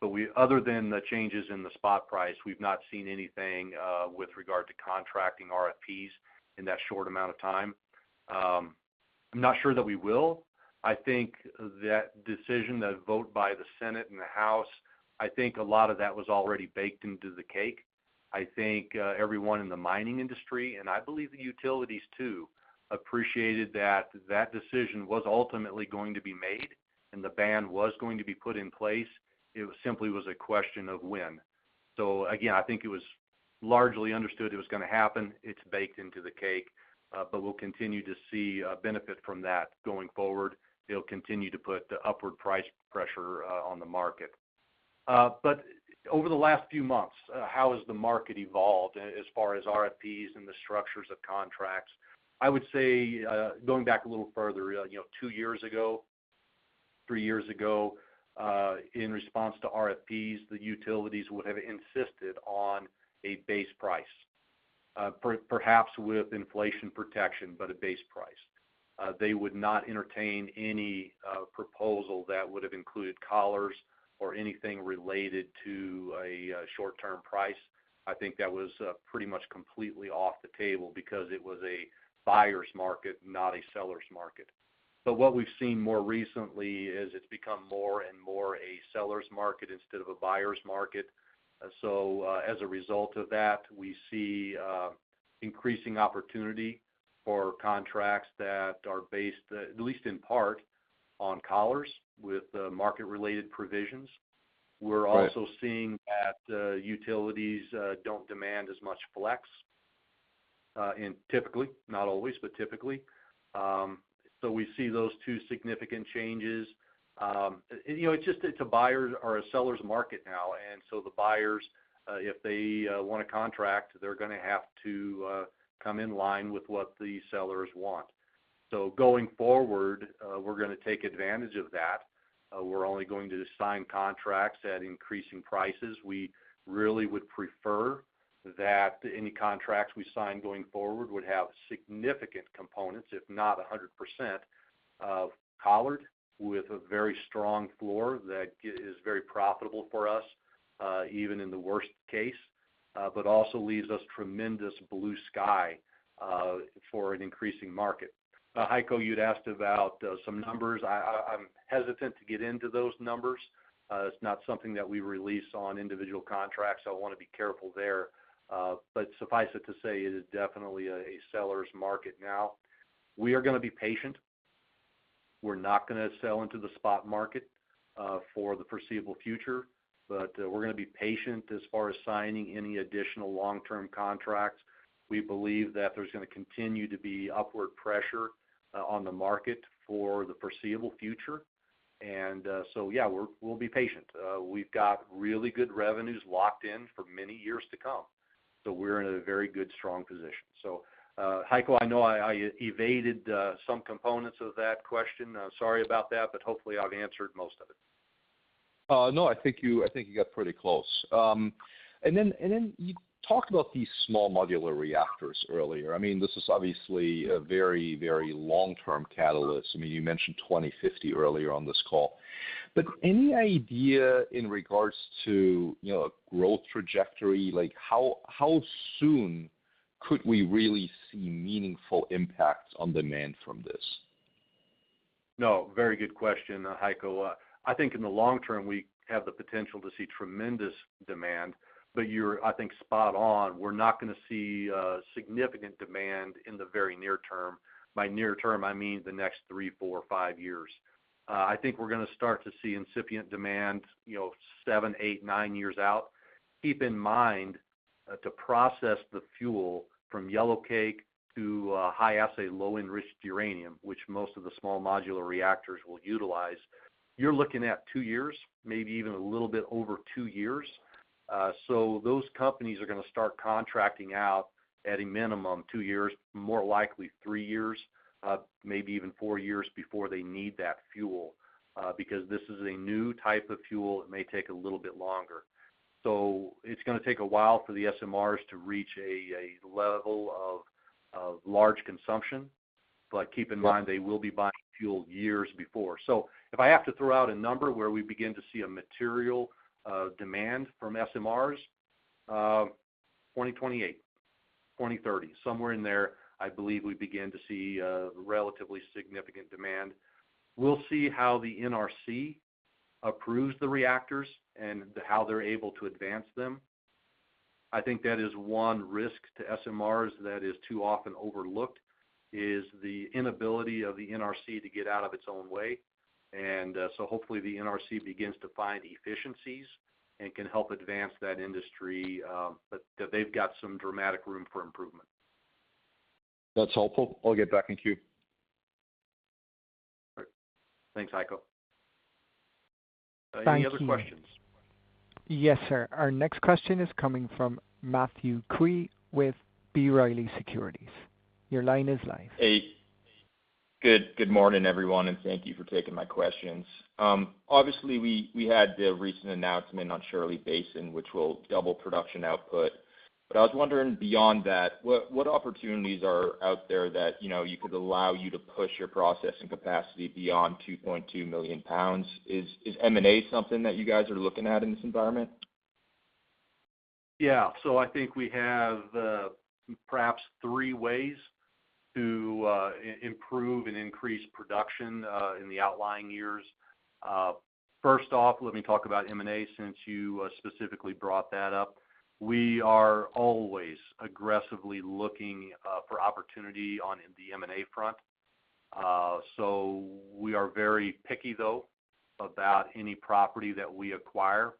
But other than the changes in the spot price, we've not seen anything with regard to contracting RFPs in that short amount of time. I'm not sure that we will. I think that decision that voted by the Senate and the House, I think a lot of that was already baked into the cake. I think everyone in the mining industry, and I believe the utilities too, appreciated that that decision was ultimately going to be made, and the ban was going to be put in place. It simply was a question of when. So again, I think it was largely understood it was going to happen. It's baked into the cake, but we'll continue to see benefit from that going forward. It'll continue to put upward price pressure on the market. But over the last few months, how has the market evolved as far as RFPs and the structures of contracts? I would say going back a little further, two years ago, three years ago, in response to RFPs, the utilities would have insisted on a base price, perhaps with inflation protection, but a base price. They would not entertain any proposal that would have included collars or anything related to a short-term price. I think that was pretty much completely off the table because it was a buyer's market, not a seller's market. But what we've seen more recently is it's become more and more a seller's market instead of a buyer's market. So as a result of that, we see increasing opportunity for contracts that are based, at least in part, on collars with market-related provisions. We're also seeing that utilities don't demand as much flex, typically, not always, but typically. So we see those two significant changes. It's a buyer's or a seller's market now, and so the buyers, if they want a contract, they're going to have to come in line with what the sellers want. So going forward, we're going to take advantage of that. We're only going to sign contracts at increasing prices. We really would prefer that any contracts we sign going forward would have significant components, if not 100%, of collars with a very strong floor that is very profitable for us even in the worst case, but also leaves us tremendous blue sky for an increasing market. Heiko, you'd asked about some numbers. I'm hesitant to get into those numbers. It's not something that we release on individual contracts, so I want to be careful there. Suffice it to say, it is definitely a seller's market now. We are going to be patient. We're not going to sell into the spot market for the foreseeable future, but we're going to be patient as far as signing any additional long-term contracts. We believe that there's going to continue to be upward pressure on the market for the foreseeable future. So yeah, we'll be patient. We've got really good revenues locked in for many years to come, so we're in a very good, strong position. So Heiko, I know I evaded some components of that question. I'm sorry about that, but hopefully, I've answered most of it. No, I think you got pretty close. And then you talked about these small modular reactors earlier. I mean, this is obviously a very, very long-term catalyst. I mean, you mentioned 2050 earlier on this call. But any idea in regards to a growth trajectory? How soon could we really see meaningful impacts on demand from this? No, very good question, Heiko. I think in the long term, we have the potential to see tremendous demand, but you're, I think, spot on. We're not going to see significant demand in the very near term. By near term, I mean the next three, four, five years. I think we're going to start to see incipient demand seven, eight, nine years out. Keep in mind to process the fuel from yellowcake to high-assay, low-enriched uranium, which most of the small modular reactors will utilize, you're looking at two years, maybe even a little bit over two years. So those companies are going to start contracting out at a minimum two years, more likely three years, maybe even four years before they need that fuel because this is a new type of fuel. It may take a little bit longer. So it's going to take a while for the SMRs to reach a level of large consumption, but keep in mind they will be buying fuel years before. So if I have to throw out a number where we begin to see a material demand from SMRs, 2028, 2030, somewhere in there, I believe we begin to see relatively significant demand. We'll see how the NRC approves the reactors and how they're able to advance them. I think that is one risk to SMRs that is too often overlooked, is the inability of the NRC to get out of its own way. Hopefully, the NRC begins to find efficiencies and can help advance that industry, but they've got some dramatic room for improvement. That's helpful. I'll get back in queue. All right. Thanks, Heiko. Any other questions? Yes, sir. Our next question is coming from Matthew Key with B. Riley Securities. Your line is live. Hey. Good morning, everyone, and thank you for taking my questions. Obviously, we had the recent announcement on Shirley Basin, which will double production output. But I was wondering beyond that, what opportunities are out there that you could allow you to push your processing capacity beyond 2.2 million pounds? Is M&A something that you guys are looking at in this environment? Yeah. So I think we have perhaps three ways to improve and increase production in the outlying years. First off, let me talk about M&A since you specifically brought that up. We are always aggressively looking for opportunity on the M&A front. So we are very picky, though, about any property that we acquire.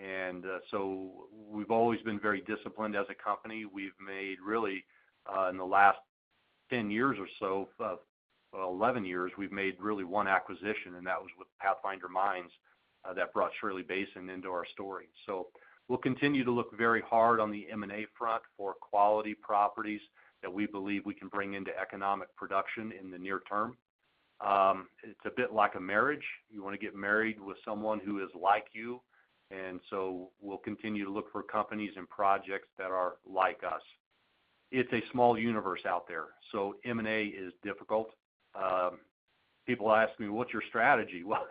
And so we've always been very disciplined as a company. Really, in the last 10 years or so, 11 years, we've made really one acquisition, and that was with Pathfinder Mines that brought Shirley Basin into our story. So we'll continue to look very hard on the M&A front for quality properties that we believe we can bring into economic production in the near term. It's a bit like a marriage. You want to get married with someone who is like you, and so we'll continue to look for companies and projects that are like us. It's a small universe out there, so M&A is difficult. People ask me, "What's your strategy?" Well,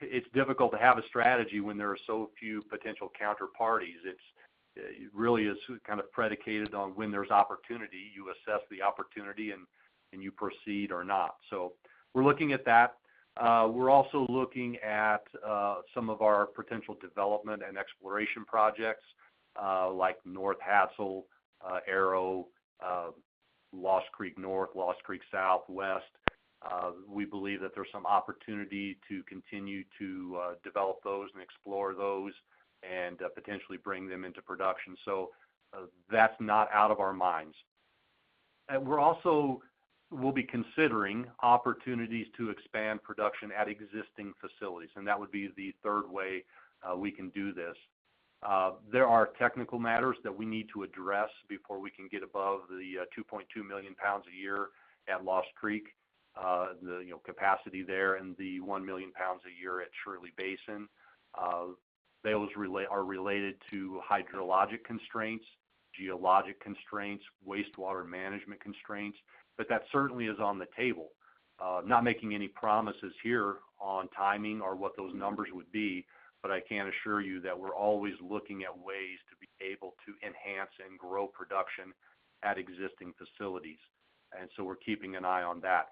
it's difficult to have a strategy when there are so few potential counterparties. It really is kind of predicated on when there's opportunity. You assess the opportunity, and you proceed or not. So we're looking at that. We're also looking at some of our potential development and exploration projects like North Hassell, Arrow, Lost Creek North, Lost Creek South, West. We believe that there's some opportunity to continue to develop those and explore those and potentially bring them into production. So that's not out of our minds. We'll be considering opportunities to expand production at existing facilities, and that would be the third way we can do this. There are technical matters that we need to address before we can get above the 2.2 million pounds a year at Lost Creek, the capacity there, and the 1 million pounds a year at Shirley Basin. Those are related to hydrologic constraints, geologic constraints, wastewater management constraints, but that certainly is on the table. I'm not making any promises here on timing or what those numbers would be, but I can assure you that we're always looking at ways to be able to enhance and grow production at existing facilities. And so we're keeping an eye on that.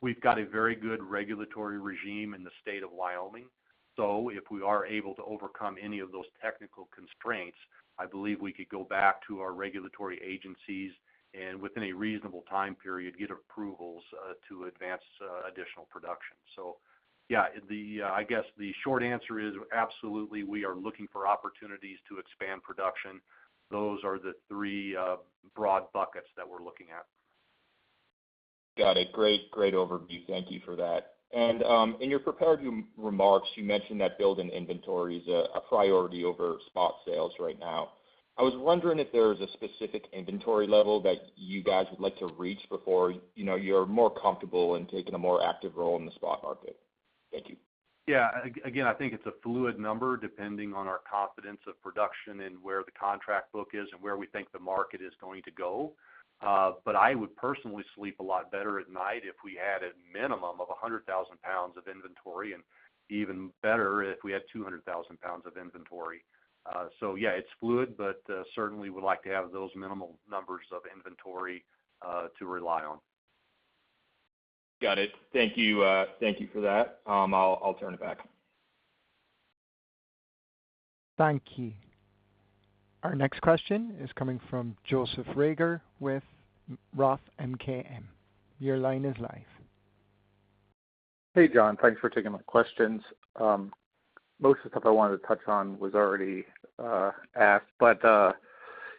We've got a very good regulatory regime in the state of Wyoming. So if we are able to overcome any of those technical constraints, I believe we could go back to our regulatory agencies and, within a reasonable time period, get approvals to advance additional production. So yeah, I guess the short answer is absolutely, we are looking for opportunities to expand production. Those are the three broad buckets that we're looking at. Got it. Great overview. Thank you for that. In your prepared remarks, you mentioned that building inventory is a priority over spot sales right now. I was wondering if there's a specific inventory level that you guys would like to reach before you're more comfortable in taking a more active role in the spot market. Thank you. Yeah. Again, I think it's a fluid number depending on our confidence of production and where the contract book is and where we think the market is going to go. But I would personally sleep a lot better at night if we had a minimum of 100,000 pounds of inventory and even better if we had 200,000 pounds of inventory. So yeah, it's fluid, but certainly would like to have those minimal numbers of inventory to rely on. Got it. Thank you for that. I'll turn it back. Thank you. Our next question is coming from Joseph Reagor with Roth MKM. Your line is live. Hey, John. Thanks for taking my questions. Most of the stuff I wanted to touch on was already asked, but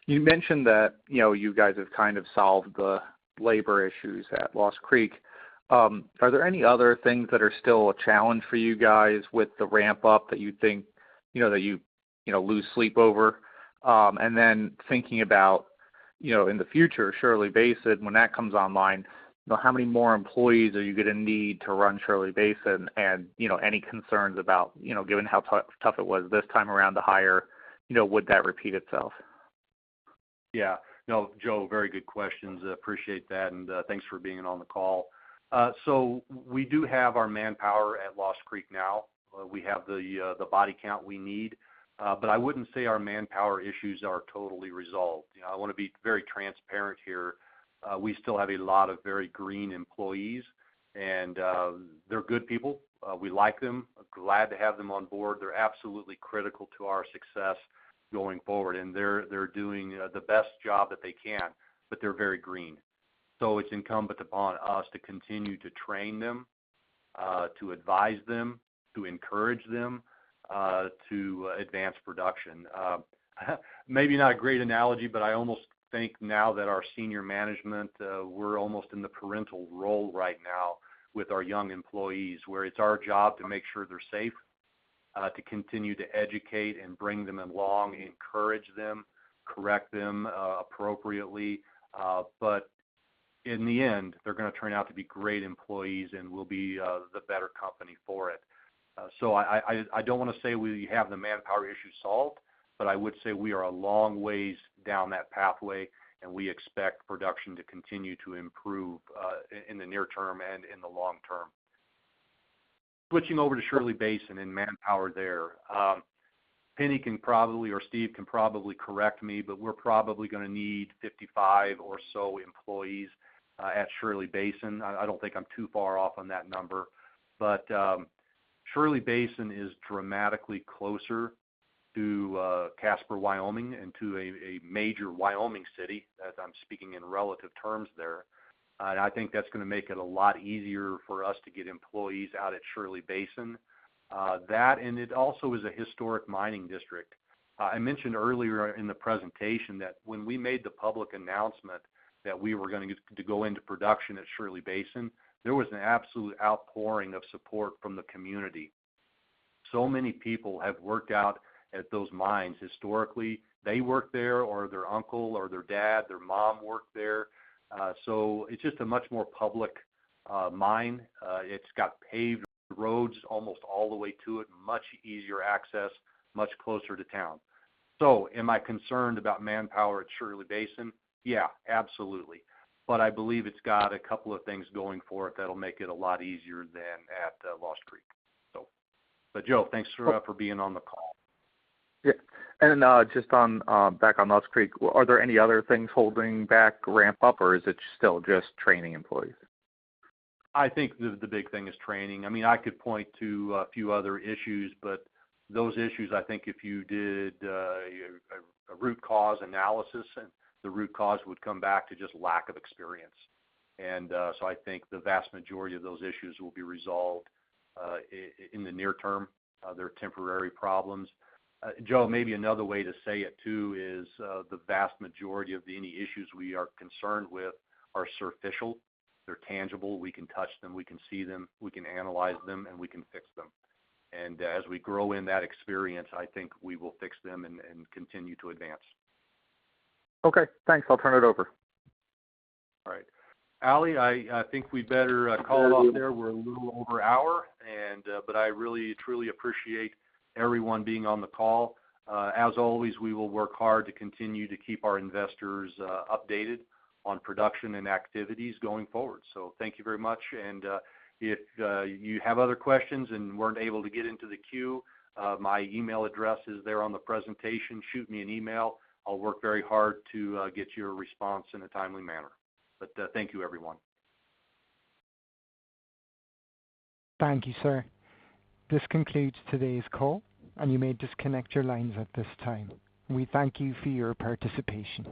you mentioned that you guys have kind of solved the labor issues at Lost Creek. Are there any other things that are still a challenge for you guys with the ramp-up that you think that you lose sleep over? And then thinking about, in the future, Shirley Basin, when that comes online, how many more employees are you going to need to run Shirley Basin? And any concerns about, given how tough it was this time around to hire, would that repeat itself? Yeah. No, Joe, very good questions. I appreciate that, and thanks for being on the call. So we do have our manpower at Lost Creek now. We have the body count we need, but I wouldn't say our manpower issues are totally resolved. I want to be very transparent here. We still have a lot of very green employees, and they're good people. We like them, glad to have them on board. They're absolutely critical to our success going forward, and they're doing the best job that they can, but they're very green. So it's incumbent upon us to continue to train them, to advise them, to encourage them to advance production. Maybe not a great analogy, but I almost think now that our senior management, we're almost in the parental role right now with our young employees where it's our job to make sure they're safe, to continue to educate and bring them along, encourage them, correct them appropriately. But in the end, they're going to turn out to be great employees, and we'll be the better company for it. So I don't want to say we have the manpower issue solved, but I would say we are a long ways down that pathway, and we expect production to continue to improve in the near term and in the long term. Switching over to Shirley Basin and manpower there, Penne can probably or Steve can probably correct me, but we're probably going to need 55 or so employees at Shirley Basin. I don't think I'm too far off on that number, but Shirley Basin is dramatically closer to Casper, Wyoming, and to a major Wyoming city. I'm speaking in relative terms there, and I think that's going to make it a lot easier for us to get employees out at Shirley Basin. It also is a historic mining district. I mentioned earlier in the presentation that when we made the public announcement that we were going to go into production at Shirley Basin, there was an absolute outpouring of support from the community. So many people have worked out at those mines. Historically, they worked there or their uncle or their dad, their mom worked there. So it's just a much more public mine. It's got paved roads almost all the way to it, much easier access, much closer to town. So am I concerned about manpower at Shirley Basin? Yeah, absolutely. But I believe it's got a couple of things going for it that'll make it a lot easier than at Lost Creek, so. But Joe, thanks for being on the call. Yeah. And just back on Lost Creek, are there any other things holding back ramp-up, or is it still just training employees? I think the big thing is training. I mean, I could point to a few other issues, but those issues, I think if you did a root cause analysis, the root cause would come back to just lack of experience. And so I think the vast majority of those issues will be resolved in the near term. They're temporary problems. Joe, maybe another way to say it too is the vast majority of any issues we are concerned with are surficial. They're tangible. We can touch them. We can see them. We can analyze them, and we can fix them. And as we grow in that experience, I think we will fix them and continue to advance. Okay. Thanks. I'll turn it over. All right. Allie, I think we better call it off there. We're a little over an hour, but I really, truly appreciate everyone being on the call. As always, we will work hard to continue to keep our investors updated on production and activities going forward. Thank you very much. If you have other questions and weren't able to get into the queue, my email address is there on the presentation. Shoot me an email. I'll work very hard to get your response in a timely manner. Thank you, everyone. Thank you, sir. This concludes today's call, and you may disconnect your lines at this time. We thank you for your participation.